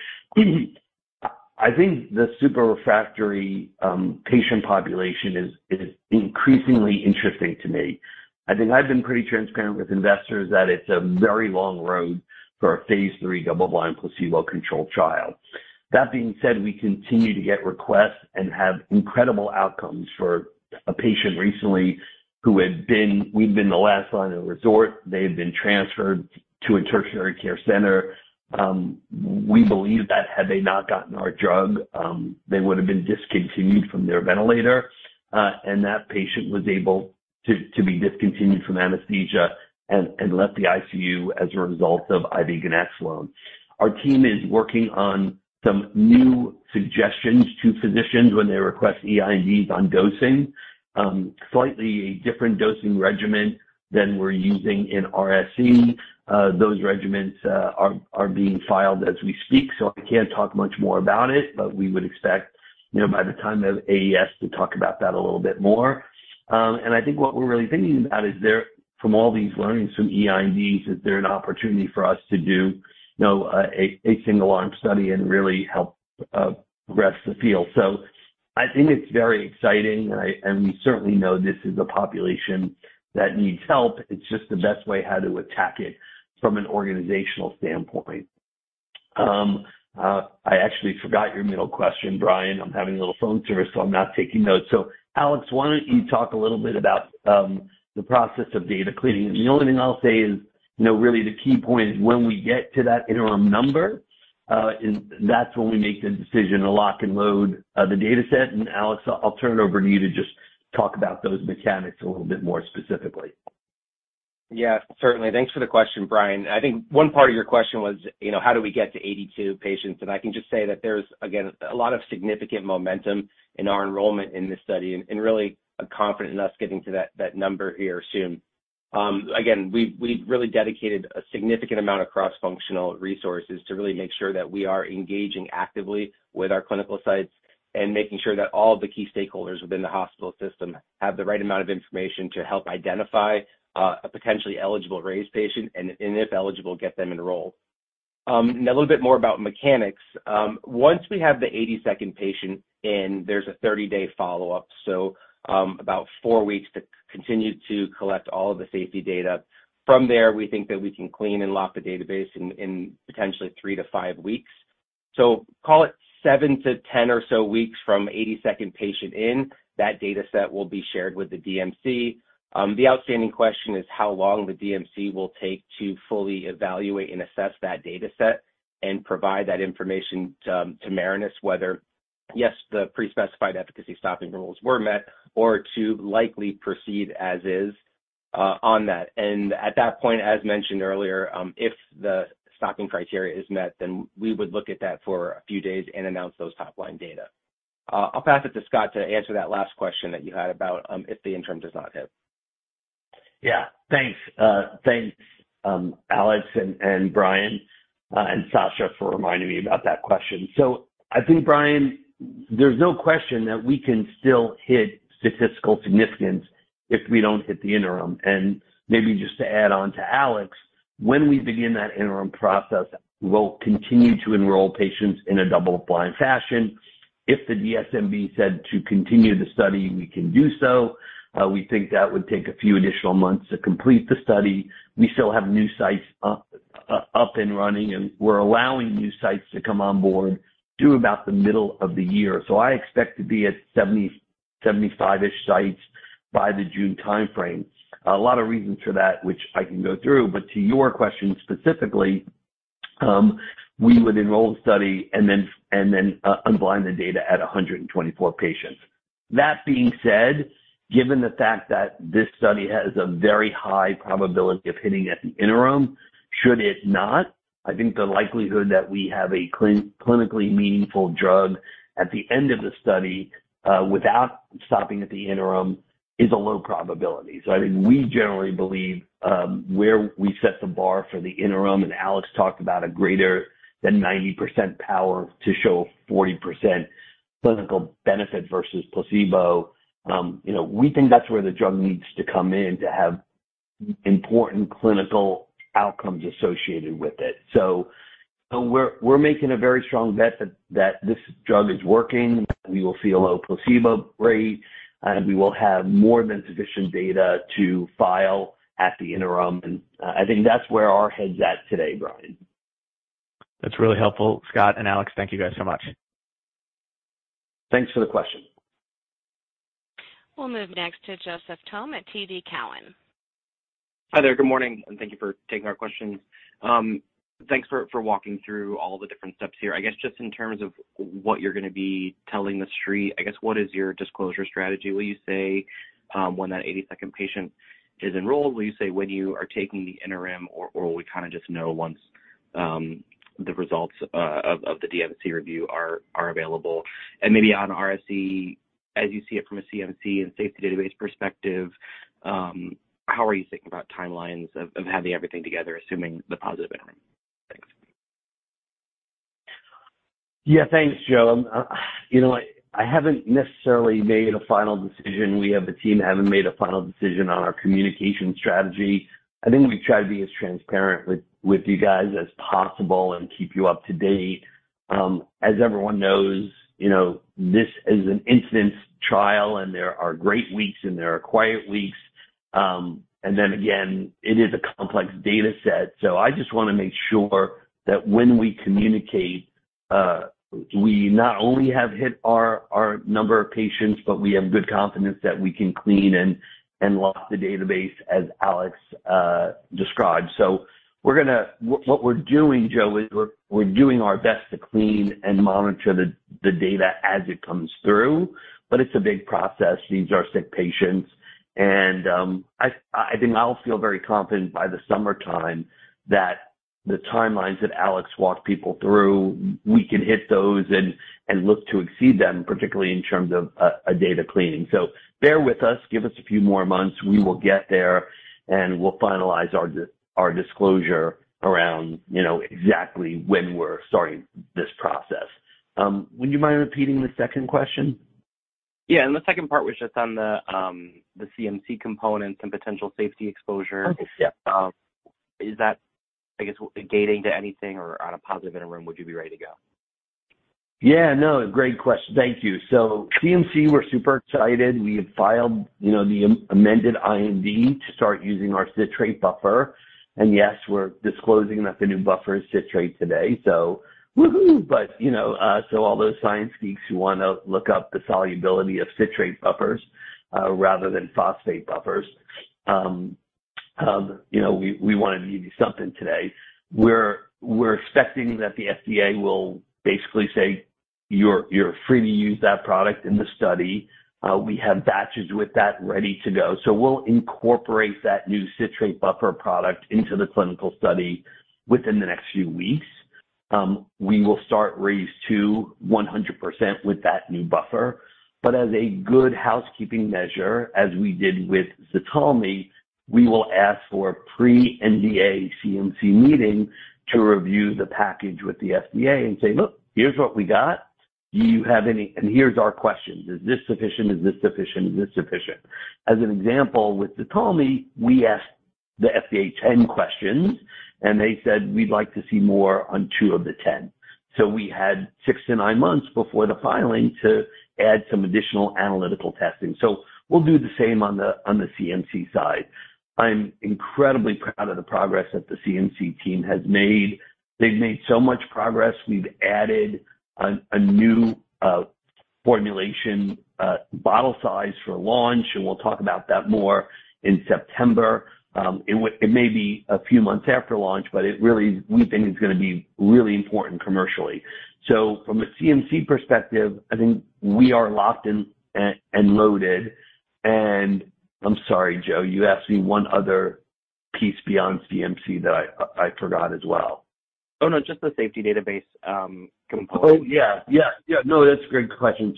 I think the super-refractory patient population is increasingly interesting to me. I think I've been pretty transparent with investors that it's a very long road for a phase III double-blind placebo-controlled trial. That being said, we continue to get requests and have incredible outcomes for a patient recently who had been the last line of resort. They had been transferred to a tertiary care center. We believe that had they not gotten our drug, they would have been discontinued from their ventilator, and that patient was able to be discontinued from anesthesia and left the ICU as a result of IV ganaxolone. Our team is working on some new suggestions to physicians when they request EI&Bs on dosing, slightly different dosing regimen than we're using in RSE. Those regimens are being filed as we speak, so I can't talk much more about it, but we would expect, you know, by the time of AES to talk about that a little bit more. I think what we're really thinking about from all these learnings from EI&Ds, is there an opportunity for us to do, you know, a single arm study and really help progress the field. I think it's very exciting. We certainly know this is a population that needs help. It's just the best way how to attack it from an organizational standpoint. I actually forgot your middle question, Brian. I'm having a little phone service, so I'm not taking notes. Alex, why don't you talk a little bit about the process of data cleaning? The only thing I'll say is, you know, really the key point is when we get to that interim number, that's when we make the decision to lock and load the dataset. Alex, I'll turn it over to you to just talk about those mechanics a little bit more specifically. Yeah, certainly. Thanks for the question, Brian. I think one part of your question was, you know, how do we get to 82 patients? I can just say that there's, again, a lot of significant momentum in our enrollment in this study and really I'm confident in us getting to that number here soon. Again, we've really dedicated a significant amount of cross-functional resources to really make sure that we are engaging actively with our clinical sites and making sure that all the key stakeholders within the hospital system have the right amount of information to help identify a potentially eligible RAISE patient and if eligible, get them enrolled. A little bit more about mechanics. Once we have the 82nd patient in, there's a 30-day follow-up, so about four weeks to continue to collect all of the safety data. From there, we think that we can clean and lock the database in potentially three to five weeks. Call it seven to 10 or so weeks from 82nd patient in, that dataset will be shared with the DMC. The outstanding question is how long the DMC will take to fully evaluate and assess that dataset and provide that information to Marinus whether, yes, the pre-specified efficacy stopping rules were met or to likely proceed as is on that. At that point, as mentioned earlier, if the stopping criteria is met, then we would look at that for a few days and announce those top-line data. I'll pass it to Scott to answer that last question that you had about if the interim does not hit. Yeah. Thanks. Thanks, Alex and Brian, Sasha for reminding me about that question. I think, Brian, there's no question that we can still hit statistical significance if we don't hit the interim. Maybe just to add on to Alex, when we begin that interim process, we'll continue to enroll patients in a double-blind fashion. If the DSMB said to continue the study, we can do so. We think that would take a few additional months to complete the study. We still have new sites up and running, and we're allowing new sites to come on board due about the middle of the year. I expect to be at 70-75-ish sites by the June timeframe. A lot of reasons for that, which I can go through, but to your question specifically, we would enroll the study and then unblind the data at 124 patients. That being said, given the fact that this study has a very high probability of hitting at the interim, should it not, I think the likelihood that we have a clinically meaningful drug at the end of the study, without stopping at the interim is a low probability. I mean, we generally believe, where we set the bar for the interim, and Alex talked about a greater than 90% power to show 40% clinical benefit versus placebo. you know, we think that's where the drug needs to come in to have important clinical outcomes associated with it. We're making a very strong bet that this drug is working, we will see a low placebo rate, and we will have more than sufficient data to file at the interim. I think that's where our head's at today, Brian. That's really helpful. Scott and Alex, thank you guys so much. Thanks for the question. We'll move next to Joseph Thome at TD Cowen. Hi there. Good morning. Thank you for taking our questions. Thanks for walking through all the different steps here. I guess, just in terms of what you're going to be telling the street, I guess, what is your disclosure strategy? Will you say when that 82nd patient is enrolled? Will you say when you are taking the interim, or we kind of just know once the results of the DMC review are available? Maybe on RAISE as you see it from a CMC and safety database perspective, how are you thinking about timelines of having everything together, assuming the positive interim? Thanks. Yeah. Thanks, Joe. You know, I haven't necessarily made a final decision. We have the team haven't made a final decision on our communication strategy. I think we've tried to be as transparent with you guys as possible and keep you up to date. As everyone knows, you know, this is an incidence trial, there are great weeks, and there are quiet weeks. Again, it is a complex data set. I just wanna make sure that when we communicate, we not only have hit our number of patients, but we have good confidence that we can clean and lock the database as Alex described. What we're doing, Joe, is we're doing our best to clean and monitor the data as it comes through, it's a big process. These are sick patients. I think I'll feel very confident by the summertime that the timelines that Alex walked people through, we can hit those and look to exceed them, particularly in terms of a data cleaning. Bear with us. Give us a few more months. We will get there, and we'll finalize our disclosure around, you know, exactly when we're starting this process. Would you mind repeating the second question? The second part was just on the CMC component and potential safety exposure. Okay. Yeah. Is that, I guess, gating to anything? On a positive interim, would you be ready to go? Yeah. No. Great thank you. CMC, we're super excited. We have filed, you know, the amended IND to start using our citrate buffer. Yes, we're disclosing that the new buffer is citrate today, so woohoo. You know, so all those science geeks who wanna look up the solubility of citrate buffers, rather than phosphate buffers, you know, we wanted to give you something today. We're expecting that the FDA will basically say, "You're free to use that product in the study." We have batches with that ready to go. We'll incorporate that new citrate buffer product into the clinical study within the next few weeks. We will start RAISE II 100% with that new buffer. As a good housekeeping measure, as we did with ZTALMY, we will ask for a pre-NDA CMC meeting to review the package with the FDA and say, "Look, here's what we got. Here's our questions. Is this sufficient?" As an example, with ZTALMY, we asked the FDA 10 questions, and they said, "We'd like to see more on two of the 10." We had 6-9 months before the filing to add some additional analytical testing. We'll do the same on the CMC side. I'm incredibly proud of the progress that the CMC team has made. They've made so much progress. We've added a new formulation bottle size for launch, and we'll talk about that more in September. It may be a few months after launch, but it really we think it's gonna be really important commercially. From a CMC perspective, I think we are locked and loaded. I'm sorry, Joe, you asked me one other piece beyond CMC that I forgot as well. Oh, no. Just the safety database, component. Oh, yeah. Yeah. Yeah. No, that's a great question.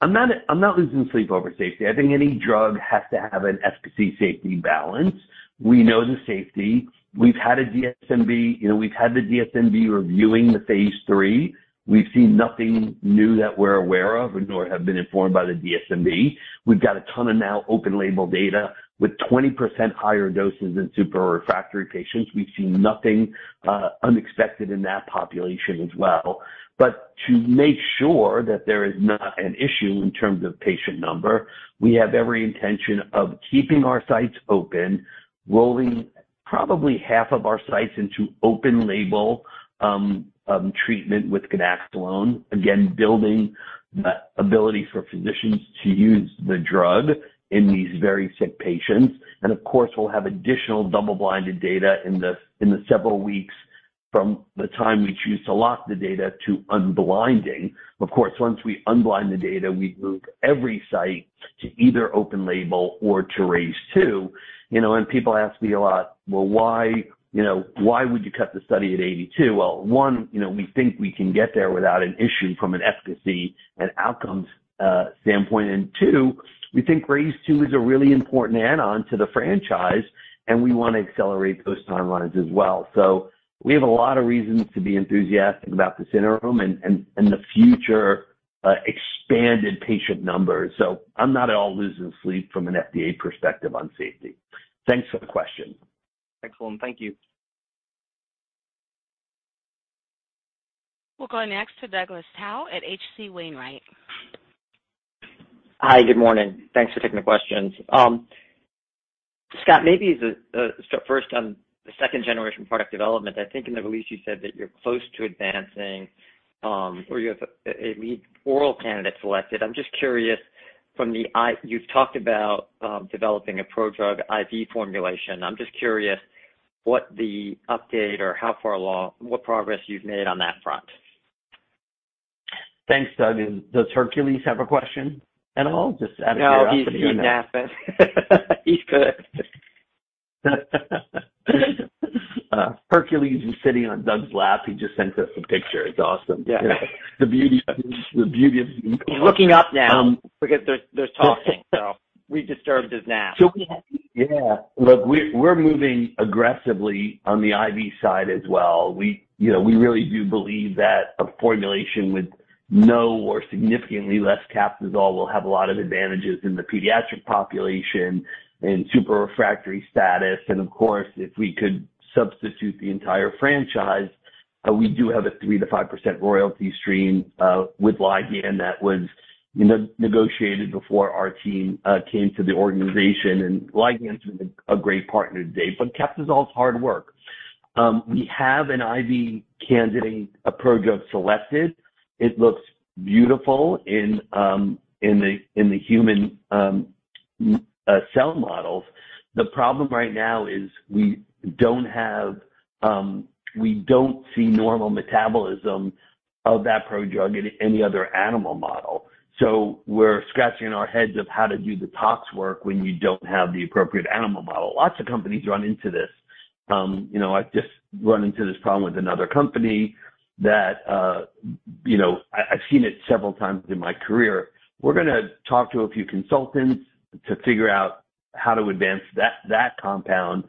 I'm not losing sleep over safety. I think any drug has to have an efficacy safety balance. We know the safety. We've had a DSMB. You know, we've had the DSMB reviewing the phase III. We've seen nothing new that we're aware of, nor have been informed by the DSMB. We've got a ton of now open label data with 20% higher doses in super-refractory patients. We've seen nothing unexpected in that population as well. To make sure that there is not an issue in terms of patient number, we have every intention of keeping our sites open, rolling probably half of our sites into open label treatment with ganaxolone, again, building the ability for physicians to use the drug in these very sick patients. We'll have additional double-blinded data in the, in the several weeks from the time we choose to lock the data to unblinding. Of course, once we unblind the data, we move every site to either open label or to RAISE II. People ask me a lot, "Well, why, you know, why would you cut the study at 82?" One, we think we can get there without an issue from an efficacy and outcomes standpoint. Two, we think RAISE II is a really important add-on to the franchise, and we wanna accelerate those timelines as well. We have a lot of reasons to be enthusiastic about this interim and, and the future, expanded patient numbers. I'm not at all losing sleep from an FDA perspective on safety. Thanks for the question. Excellent. Thank you. We'll go next to Douglas Tsao at H.C. Wainwright. Hi. Good morning. Thanks for taking the questions. Scott, first on the second generation product development. I think in the release you said that you're close to advancing, or you have a lead oral candidate selected. I'm just curious. You've talked about developing a prodrug IV formulation. I'm just curious what the update or how far along, what progress you've made on that front. Thanks, Doug. Does Hercules have a question at all? Just out of curiosity. No, he's napping. He's good. Hercules was sitting on Doug's lap. He just sent us a picture. It's awesome. Yeah. The beauty of- He's looking up now because they're talking. We disturbed his nap. Yeah. Look, we're moving aggressively on the IV side as well. We, you know, we really do believe that a formulation with no or significantly less Captisol will have a lot of advantages in the pediatric population and super refractory status. Of course, if we could substitute the entire franchise, we do have a 3%-5% royalty stream with Ligand that was negotiated before our team came to the organization. Ligand's been a great partner to date. Captisol is hard work. We have an IV candidate, a prodrug selected. It looks beautiful in the human cell models. The problem right now is we don't have, we don't see normal metabolism of that prodrug in any other animal model. We're scratching our heads of how to do the tox work when you don't have the appropriate animal model. Lots of companies run into this. You know, I've just run into this problem with another company that, you know, I've seen it several times in my career. We're gonna talk to a few consultants to figure out how to advance that compound.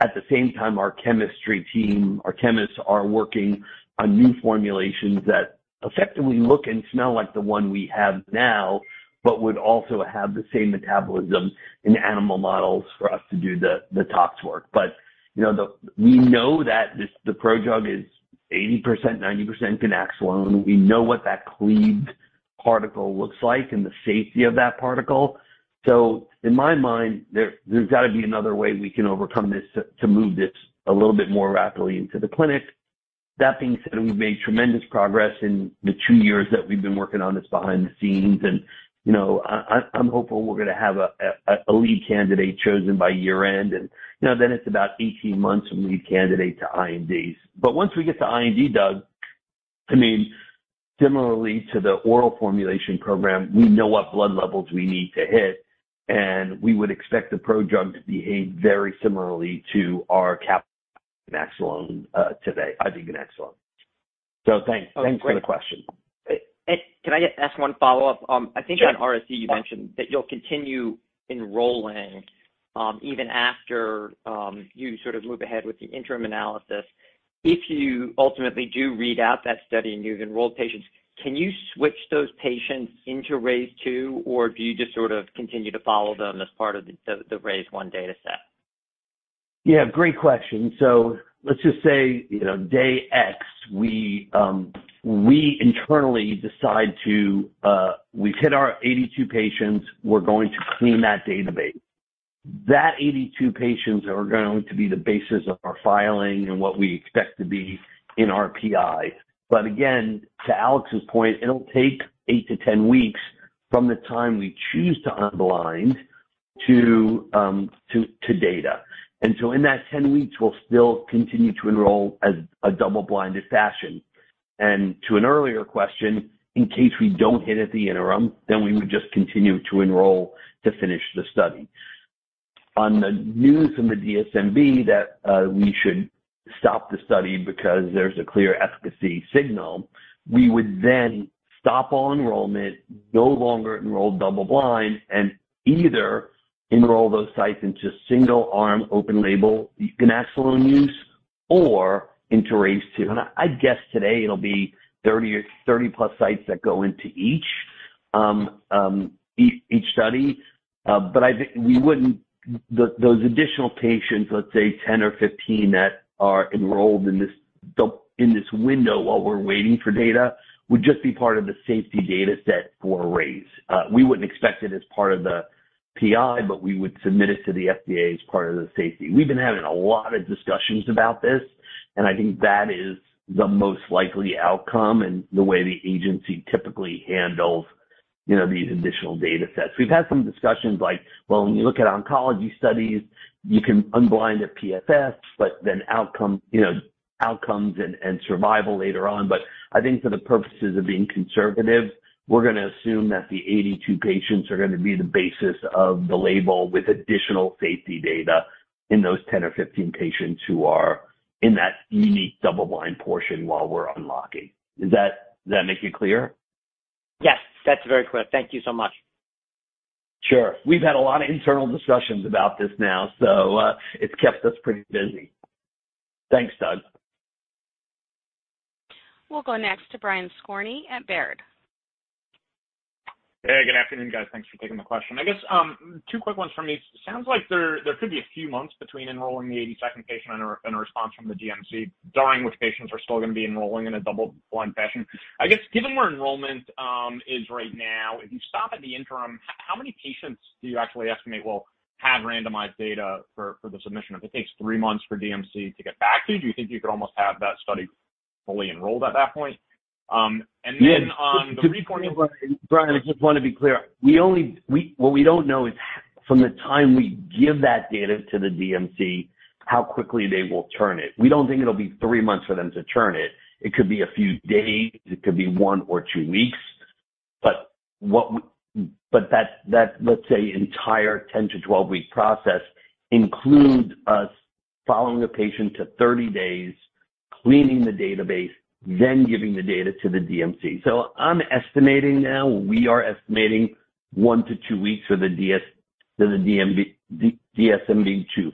At the same time, our chemistry team, our chemists are working on new formulations that effectively look and smell like the one we have now, but would also have the same metabolism in animal models for us to do the tox work. You know, we know that the prodrug is 80%, 90% ganaxolone. We know what that cleaved particle looks like and the safety of that particle. In my mind, there's gotta be another way we can overcome this to move this a little bit more rapidly into the clinic. That being said, we've made tremendous progress in the two years that we've been working on this behind the scenes. You know, I'm hopeful we're gonna have a lead candidate chosen by year-end. You know, then it's about 18 months from lead candidate to INDs. Once we get to IND, Doug, I mean, similarly to the oral formulation program, we know what blood levels we need to hit, and we would expect the prodrug to behave very similarly to our cap ganaxolone, today, IV ganaxolone. Thanks. Thanks for the question. Ed, can I just ask one follow-up? I think on RSE, you mentioned that you'll continue enrolling, even after, you sort of move ahead with the interim analysis. If you ultimately do read out that study and you've enrolled patients, can you switch those patients into RAISE II, or do you just sort of continue to follow them as part of the RAISE dataset? Yeah, great question. let's just say, you know, day X, we internally decide to, we've hit our 82 patients, we're going to clean that database. That 82 patients are going to be the basis of our filing and what we expect to be in our PI. Again, to Alex's point, it'll take 8-10 weeks from the time we choose to unblind to data. In that 10 weeks, we'll still continue to enroll as a double-blinded fashion. To an earlier question, in case we don't hit at the interim, then we would just continue to enroll to finish the study. On the news from the DSMB that we should stop the study because there's a clear efficacy signal, we would then stop all enrollment, no longer enroll double blind, and either enroll those sites into single-arm open label ganaxolone use or into RAISE II. I guess today it'll be 30 or 30+ sites that go into each study. I think we wouldn't. Those additional patients, let's say 10 or 15 that are enrolled in this window while we're waiting for data, would just be part of the safety dataset for RAISE. We wouldn't expect it as part of the PI, but we would submit it to the FDA as part of the safety. We've been having a lot of discussions about this. I think that is the most likely outcome and the way the agency typically handles, you know, these additional datasets. We've had some discussions like, well, when you look at oncology studies, you can unblind at PFS, but then outcome, you know, outcomes and survival later on. I think for the purposes of being conservative, we're gonna assume that the 82 patients are gonna be the basis of the label with additional safety data in those 10 or 15 patients who are in that unique double-blind portion while we're unlocking. Does that make it clear? Yes, that's very clear. Thank you so much. Sure. We've had a lot of internal discussions about this now, so, it's kept us pretty busy. Thanks, Doug. We'll go next to Brian Skorney at Baird. Hey, good afternoon, guys. Thanks for taking the question. I guess, two quick ones from me. Sounds like there could be a few months between enrolling the 82nd patient and a response from the DMC, during which patients are still gonna be enrolling in a double-blind fashion. I guess given where enrollment is right now, if you stop at the interim, how many patients do you actually estimate will have randomized data for the submission? If it takes three months for DMC to get back to you, do you think you could almost have that study fully enrolled at that point? Then on the reporting- Brian, I just wanna be clear. What we don't know is from the time we give that data to the DMC, how quickly they will turn it. We don't think it'll be three months for them to turn it. It could be a few days. It could be one or two weeks. What, let's say, that entire 10 to 12-week process includes us following a patient to 30 days, cleaning the database, then giving the data to the DMC. I'm estimating now, we are estimating one to two weeks for the DSMB to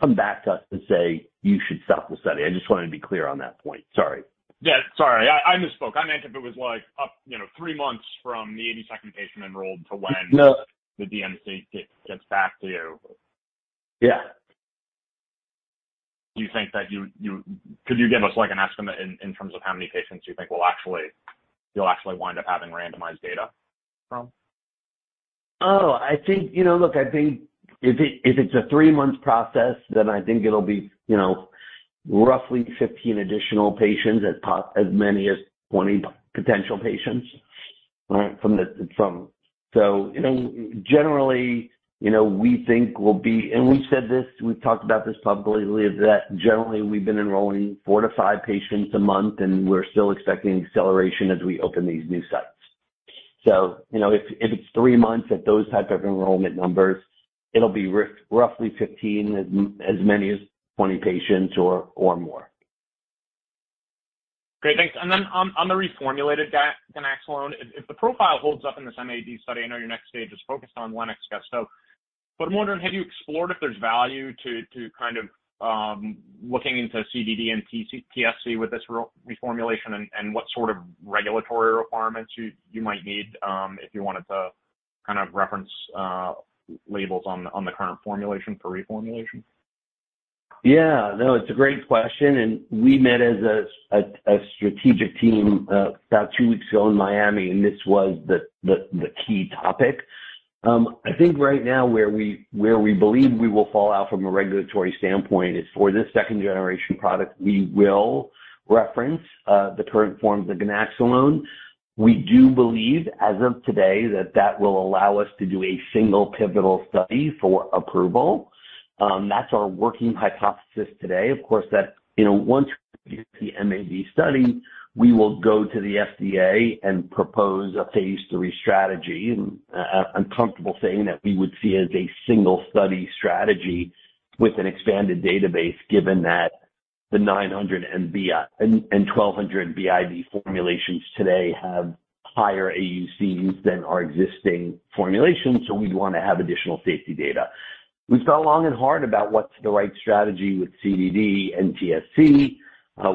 come back to us and say, "You should stop the study." I just wanted to be clear on that point. Sorry. Yeah, sorry. I misspoke. I meant if it was like up, you know, three months from the 82nd patient enrolled to when... No the DMC gets back to you. Yeah. Do you think that you, Could you give us, like, an estimate in terms of how many patients you think you'll actually wind up having randomized data from? Oh, I think, you know, look, I think if it, if it's a three-month process, then I think it'll be, you know, roughly 15 additional patients, as many as 20 potential patients, right? From the. You know, generally, you know, we think we'll be, and we've said this, we've talked about this publicly, that generally we've been enrolling four to five patients a month, and we're still expecting acceleration as we open these new sites. You know, if it's three months at those type of enrollment numbers, it'll be roughly 15, as many as 20 patients or more. Great. Thanks. Then on the reformulated ganaxolone, if the profile holds up in this MAD study, I know your next stage is focused on Lennox-Gastaut. I'm wondering, have you explored if there's value to kind of looking into CDD and TSC with this reformulation and what sort of regulatory requirements you might need if you wanted to kind of reference labels on the current formulation for reformulation? No, it's a great question. We met as a strategic team about two weeks ago in Miami. This was the key topic. I think right now where we believe we will fall out from a regulatory standpoint is for this second generation product, we will reference the current forms of ganaxolone. We do believe as of today that that will allow us to do a single pivotal study for approval. That's our working hypothesis today. Of course that, you know, once we do the MAD study, we will go to the FDA and propose a phase III strategy. I'm comfortable saying that we would see it as a single study strategy with an expanded database given that the 900 and 1,200 BID formulations today have higher AUCs than our existing formulation. We'd wanna have additional safety data. We've thought long and hard about what's the right strategy with CDD and TSC.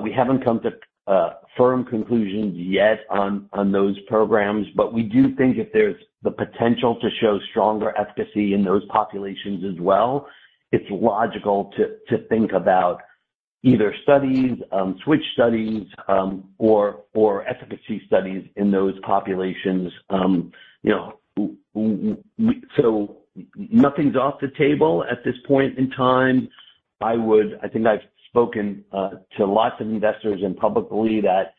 We haven't come to firm conclusions yet on those programs. We do think if there's the potential to show stronger efficacy in those populations as well, it's logical to think about either studies, switch studies, or efficacy studies in those populations. You know, nothing's off the table at this point in time. I think I've spoken to lots of investors and publicly that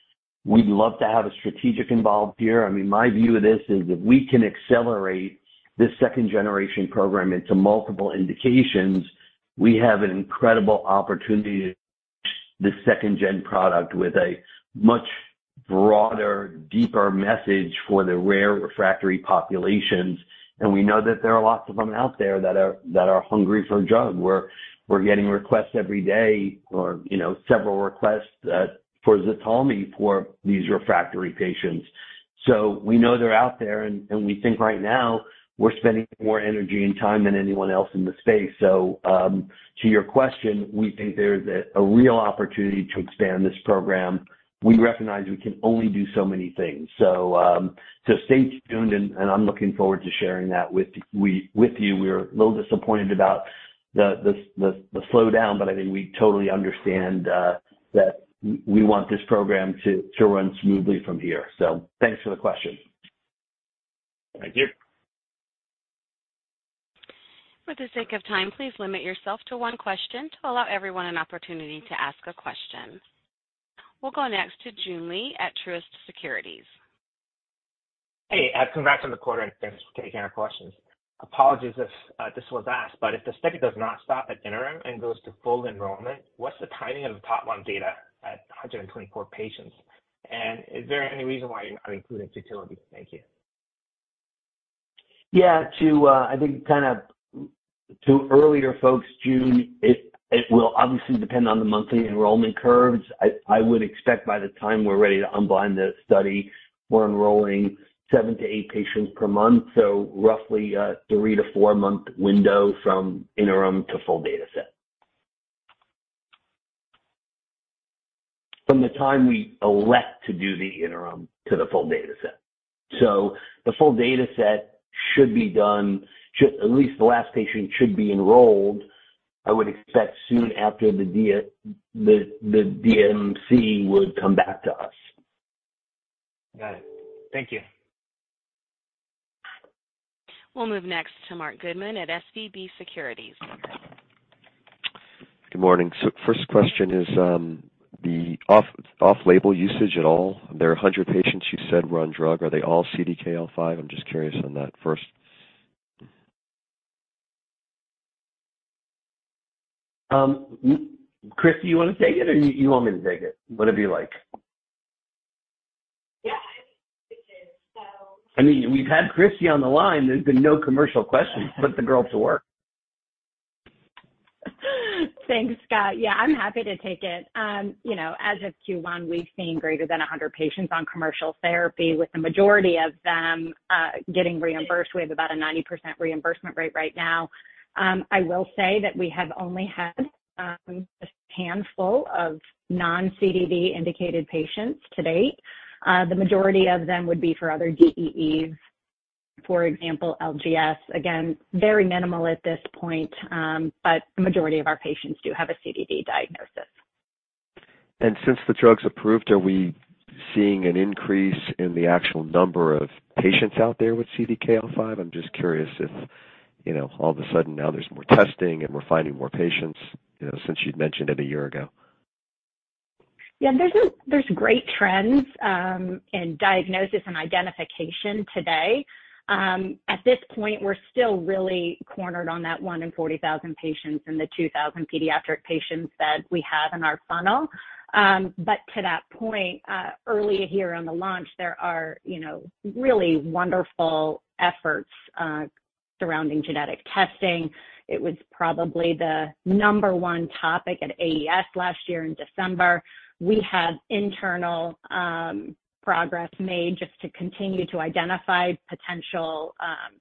we'd love to have a strategic involved here. I mean, my view of this is if we can accelerate this second-generation program into multiple indications, we have an incredible opportunity to switch this second-gen product with a much broader, deeper message for the rare refractory populations. We know that there are lots of them out there that are hungry for a drug. We're getting requests every day or, you know, several requests for ZTALMY for these refractory patients. We know they're out there and we think right now we're spending more energy and time than anyone else in the space. To your question, we think there's a real opportunity to expand this program. We recognize we can only do so many things. So stay tuned and I'm looking forward to sharing that with you. We're a little disappointed about the slowdown, but I think we totally understand that we want this program to run smoothly from here. Thanks for the question. Thank you. For the sake of time, please limit yourself to one question to allow everyone an opportunity to ask a question. We'll go next to Joon Lee at Truist Securities. Hey, congrats on the quarter and thanks for taking our questions. Apologies if this was asked, but if the study does not stop at interim and goes to full enrollment, what's the timing of the top line data at 124 patients? Is there any reason why you're not including futility? Thank you. Yeah. To, I think kind of to earlier folks, Joon, it will obviously depend on the monthly enrollment curves. I would expect by the time we're ready to unblind the study, we're enrolling seven to eight patients per month, so roughly a three to four-month window from interim to full data set. From the time we elect to do the interim to the full data set. The full data set should be done, at least the last patient should be enrolled, I would expect soon after the DMC would come back to us. Got it. Thank you. We'll move next to Marc Goodman at SVB Securities. Good morning. first question is, the off-label usage at all. There are 100 patients you said were on drug. Are they all CDKL5? I'm just curious on that first. Christy, you wanna take it or you want me to take it? Whatever you like. Yeah. It's here, so... I mean, we've had Christy on the line. There's been no commercial questions. Put the girl to work. Thanks, Scott. Yeah, I'm happy to take it. you know, as of Q1, we've seen greater than 100 patients on commercial therapy, with the majority of them, getting reimbursed. We have about a 90% reimbursement rate right now. I will say that we have only had a handful of non-CDD indicated patients to date. The majority of them would be for other DEEs, for example, LGS. Again, very minimal at this point, but the majority of our patients do have a CDD diagnosis. Since the drug's approved, are we seeing an increase in the actual number of patients out there with CDKL5? I'm just curious if, you know, all of a sudden now there's more testing and we're finding more patients, you know, since you'd mentioned it a year ago. Yeah. There's great trends in diagnosis and identification today. At this point, we're still really cornered on that one in 40,000 patients and the 2,000 pediatric patients that we have in our funnel. To that point, early here on the launch, there are, you know, really wonderful efforts surrounding genetic testing. It was probably the number one topic at AES last year in December. We had internal progress made just to continue to identify potential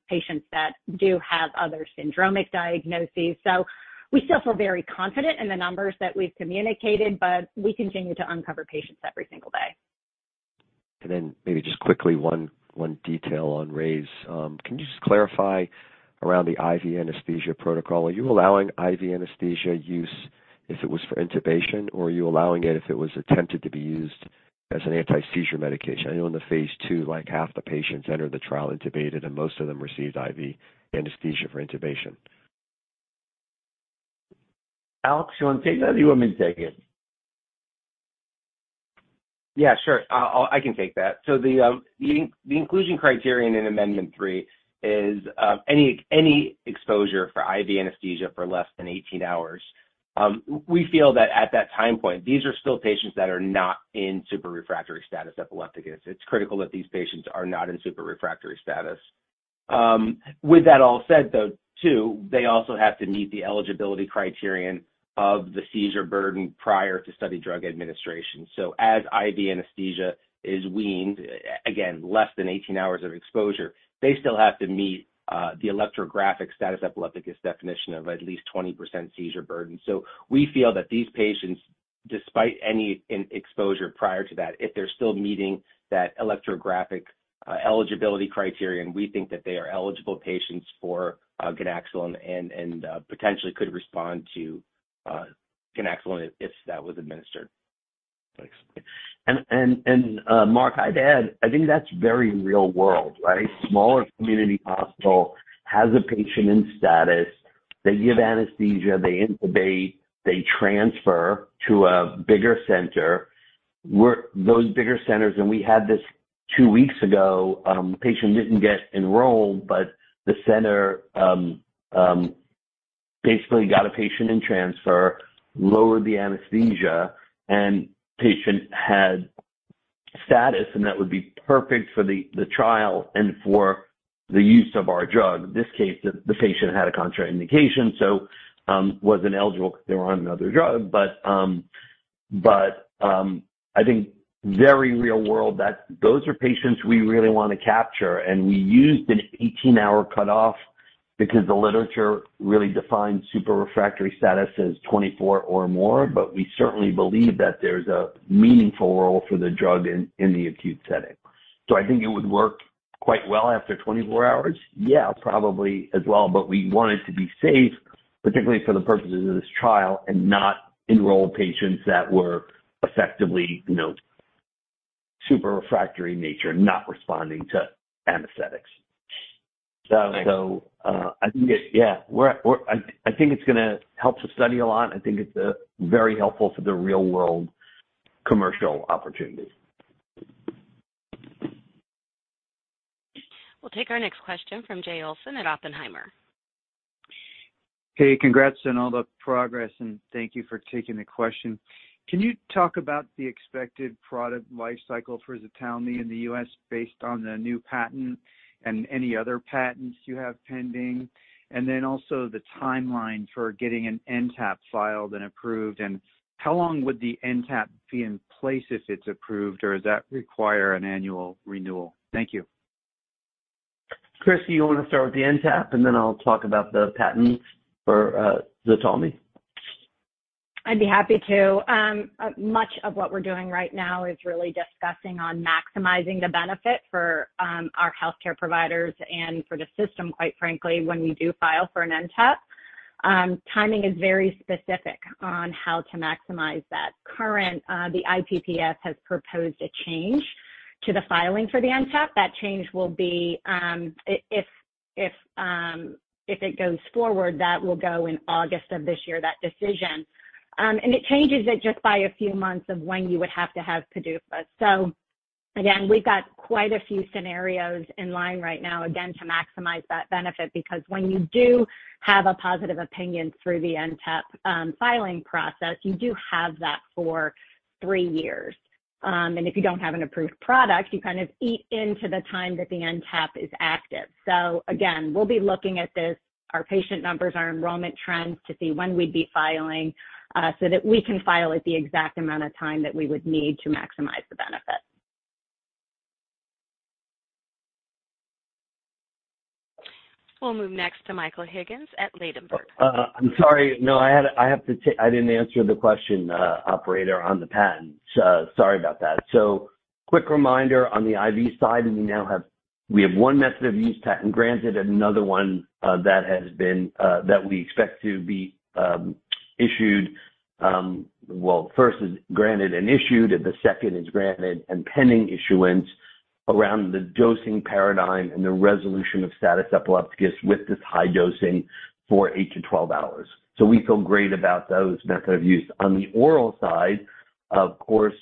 patients that do have other syndromic diagnoses. We still feel very confident in the numbers that we've communicated, but we continue to uncover patients every single day. Maybe just quickly, one detail on RAISE. Can you just clarify around the IV anesthesia protocol? Are you allowing IV anesthesia use if it was for intubation, or are you allowing it if it was attempted to be used as an anti-seizure medication? I know in the phase II, like, half the patients entered the trial intubated, and most of them received IV anesthesia for intubation. Alex, you wanna take that, or you want me to take it? Yeah, sure. I can take that. The inclusion criterion in amendment three is any exposure for IV anesthesia for less than 18 hours. We feel that at that time point, these are still patients that are not in super-refractory status epilepticus. It's critical that these patients are not in super-refractory status. With that all said, though, too, they also have to meet the eligibility criterion of the seizure burden prior to study drug administration. As IV anesthesia is weaned, again, less than 18 hours of exposure, they still have to meet the electrographic status epilepticus definition of at least 20% seizure burden. We feel that these patients, despite any exposure prior to that, if they're still meeting that electrographic eligibility criteria, and we think that they are eligible patients for ganaxolone and potentially could respond to ganaxolone if that was administered. Thanks. Marc, I'd add, I think that's very real world, right? Smaller community hospital has a patient in status. They give anesthesia. They intubate. They transfer to a bigger center. Those bigger centers, and we had this two weeks ago, patient didn't get enrolled, but the center basically got a patient in transfer, lowered the anesthesia, and patient had status, and that would be perfect for the trial and for the use of our drug. This case, the patient had a contraindication, so wasn't eligible 'cause they were on another drug. I think very real world that those are patients we really wanna capture. We used an 18-hour cutoff because the literature really defines super-refractory status as 24 or more, but we certainly believe that there's a meaningful role for the drug in the acute setting. I think it would work quite well after 24 hours. Probably as well, but we want it to be safe, particularly for the purposes of this trial, and not enroll patients that were effectively, you know, super-refractory in nature, not responding to anesthetics. Thanks. Yeah. We're I think it's gonna help the study a lot. I think it's very helpful for the real world commercial opportunity. We'll take our next question from Jay Olson at Oppenheimer. Hey. Congrats on all the progress. Thank you for taking the question. Can you talk about the expected product life cycle for ZTALMY in the U.S. based on the new patent and any other patents you have pending? Also the timeline for getting an NTAP filed and approved, and how long would the NTAP be in place if it's approved, or does that require an annual renewal? Thank you. Christy, you wanna start with the NTAP, and then I'll talk about the patent for ZTALMY. I'd be happy to. Much of what we're doing right now is really discussing on maximizing the benefit for our healthcare providers and for the system, quite frankly, when we do file for an NTAP. Timing is very specific on how to maximize that. Current, the IPPS has proposed a change to the filing for the NTAP. That change will be, if it goes forward, that will go in August of this year, that decision. It changes it just by a few months of when you would have to have PDUFA. Again, we've got quite a few scenarios in line right now, again, to maximize that benefit. When you do have a positive opinion through the NTAP filing process, you do have that for three years. If you don't have an approved product, you kind of eat into the time that the NTAP is active. Again, we'll be looking at this, our patient numbers, our enrollment trends to see when we'd be filing, so that we can file at the exact amount of time that we would need to maximize the benefit. We'll move next to Michael Higgins at Ladenburg. I'm sorry. I didn't answer the question, operator, on the patent. Sorry about that. Quick reminder on the IV side, we have one method of use patent granted, another one that has been that we expect to be issued. First is granted and issued, the second is granted and pending issuance around the dosing paradigm and the resolution of status epilepticus with this high dosing for 8-12 hours. We feel great about those method of use. On the oral side, of course,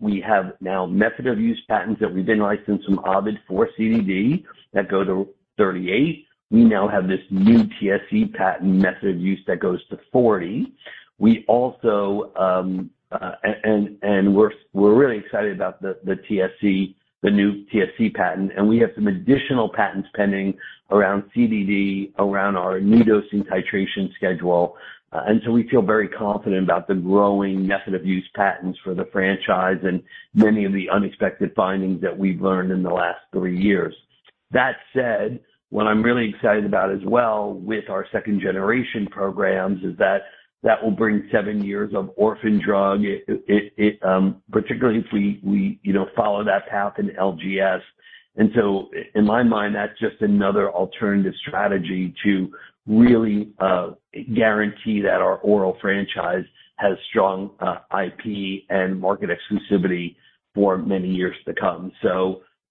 we have now method of use patents that we've been licensed from Ovid for CDD that go to 38. We now have this new TSC patent method of use that goes to 40. We also, and we're really excited about the TSC, the new TSC patent, and we have some additional patents pending around CDD, around our new-dosing titration schedule. We feel very confident about the growing method of use patents for the franchise and many of the unexpected findings that we've learned in the last three years. That said, what I'm really excited about as well with our second generation programs is that that will bring seven years of orphan drug. It, particularly if we, you know, follow that path in LGS. In my mind, that's just another alternative strategy to really guarantee that our oral franchise has strong IP and market exclusivity for many years to come.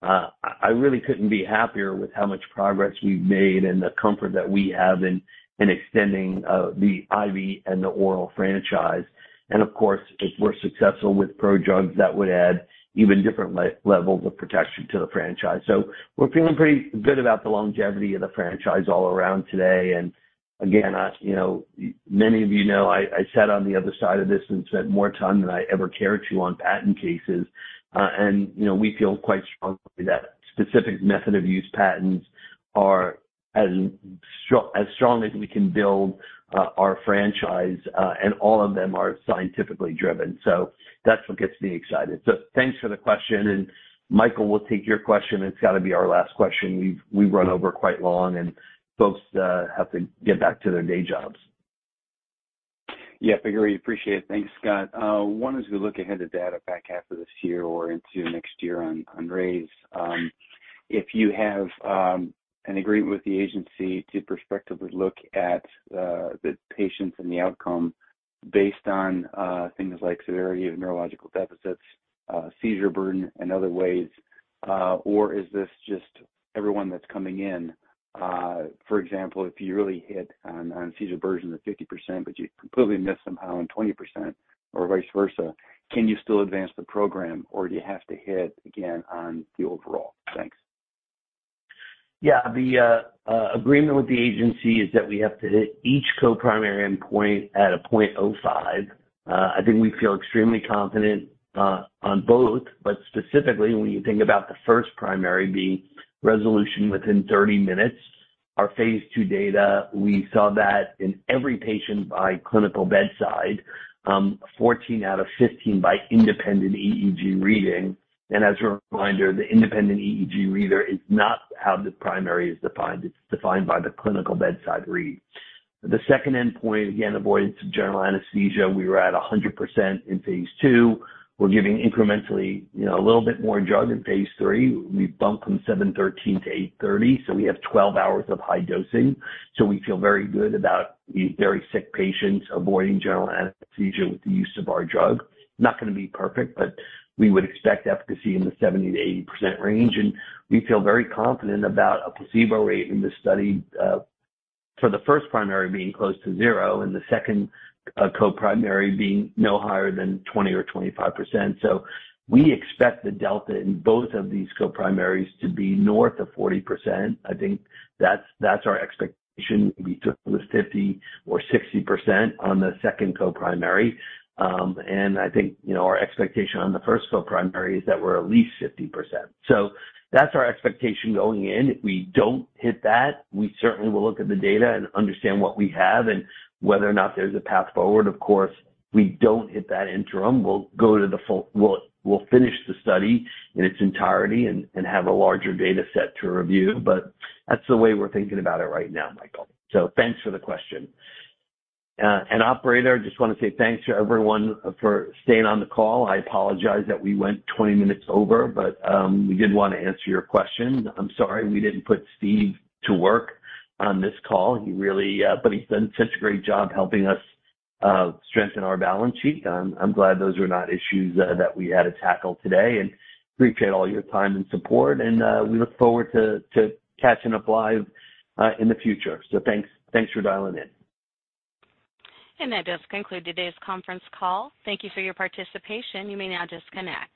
I really couldn't be happier with how much progress we've made and the comfort that we have in extending the IV and the oral franchise. Of course, if we're successful with prodrugs, that would add even different levels of protection to the franchise. We're feeling pretty good about the longevity of the franchise all around today. Again, you know, many of you know I sat on the other side of this and spent more time than I ever care to on patent cases. You know, we feel quite strongly that specific method of use patents are as strong as we can build our franchise, and all of them are scientifically driven. That's what gets me excited. Thanks for the question. Michael, we'll take your question. It's gotta be our last question. We've run over quite long, and folks have to get back to their day jobs. Yeah, figure. We appreciate it. Thanks, Scott. Wanted to look ahead of data back half of this year or into next year on RAISE. If you have an agreement with the agency to prospectively look at the patients and the outcome based on things like severity of neurological deficits, seizure burden and other ways, or is this just everyone that's coming in? For example, if you really hit on seizure burden of 50%, but you completely miss somehow on 20% or vice versa, can you still advance the program or do you have to hit again on the overall? Thanks. Yeah. The agreement with the agency is that we have to hit each co-primary endpoint at a .05. I think we feel extremely confident on both. Specifically, when you think about the first primary being resolution within 30 minutes, our phase II data, we saw that in every patient by clinical bedside, 14 out of 15 by independent EEG reading. As a reminder, the independent EEG reader is not how the primary is defined. It's defined by the clinical bedside read. The second endpoint, again, avoidance of general anesthesia, we were at 100% in phase II. We're giving incrementally, you know, a little bit more drug in phase III. We've bumped from 713 to 830, so we have 12 hours of high dosing. We feel very good about these very sick patients avoiding general anesthesia with the use of our drug. Not gonna be perfect, but we would expect efficacy in the 70%-80% range, and we feel very confident about a placebo rate in this study, for the first primary being close to 0 and the second co-primary being no higher than 20% or 25%. We expect the delta in both of these co-primaries to be north of 40%. I think that's our expectation. We took the 50% or 60% on the second co-primary. I think, you know, our expectation on the first co-primary is that we're at least 50%. That's our expectation going in. If we don't hit that, we certainly will look at the data and understand what we have and whether or not there's a path forward. Of course, we don't hit that interim. We'll go to We'll finish the study in its entirety and have a larger data set to review. That's the way we're thinking about it right now, Michael. Thanks for the question. Operator, I just wanna say thanks to everyone for staying on the call. I apologize that we went 20 minutes over. We did wanna answer your question. I'm sorry we didn't put Steve to work on this call. He really, he's done such a great job helping us strengthen our balance sheet. I'm glad those are not issues that we had to tackle today and appreciate all your time and support, and we look forward to catching up live in the future. Thanks, thanks for dialing in. That does conclude today's conference call. Thank you for your participation. You may now disconnect.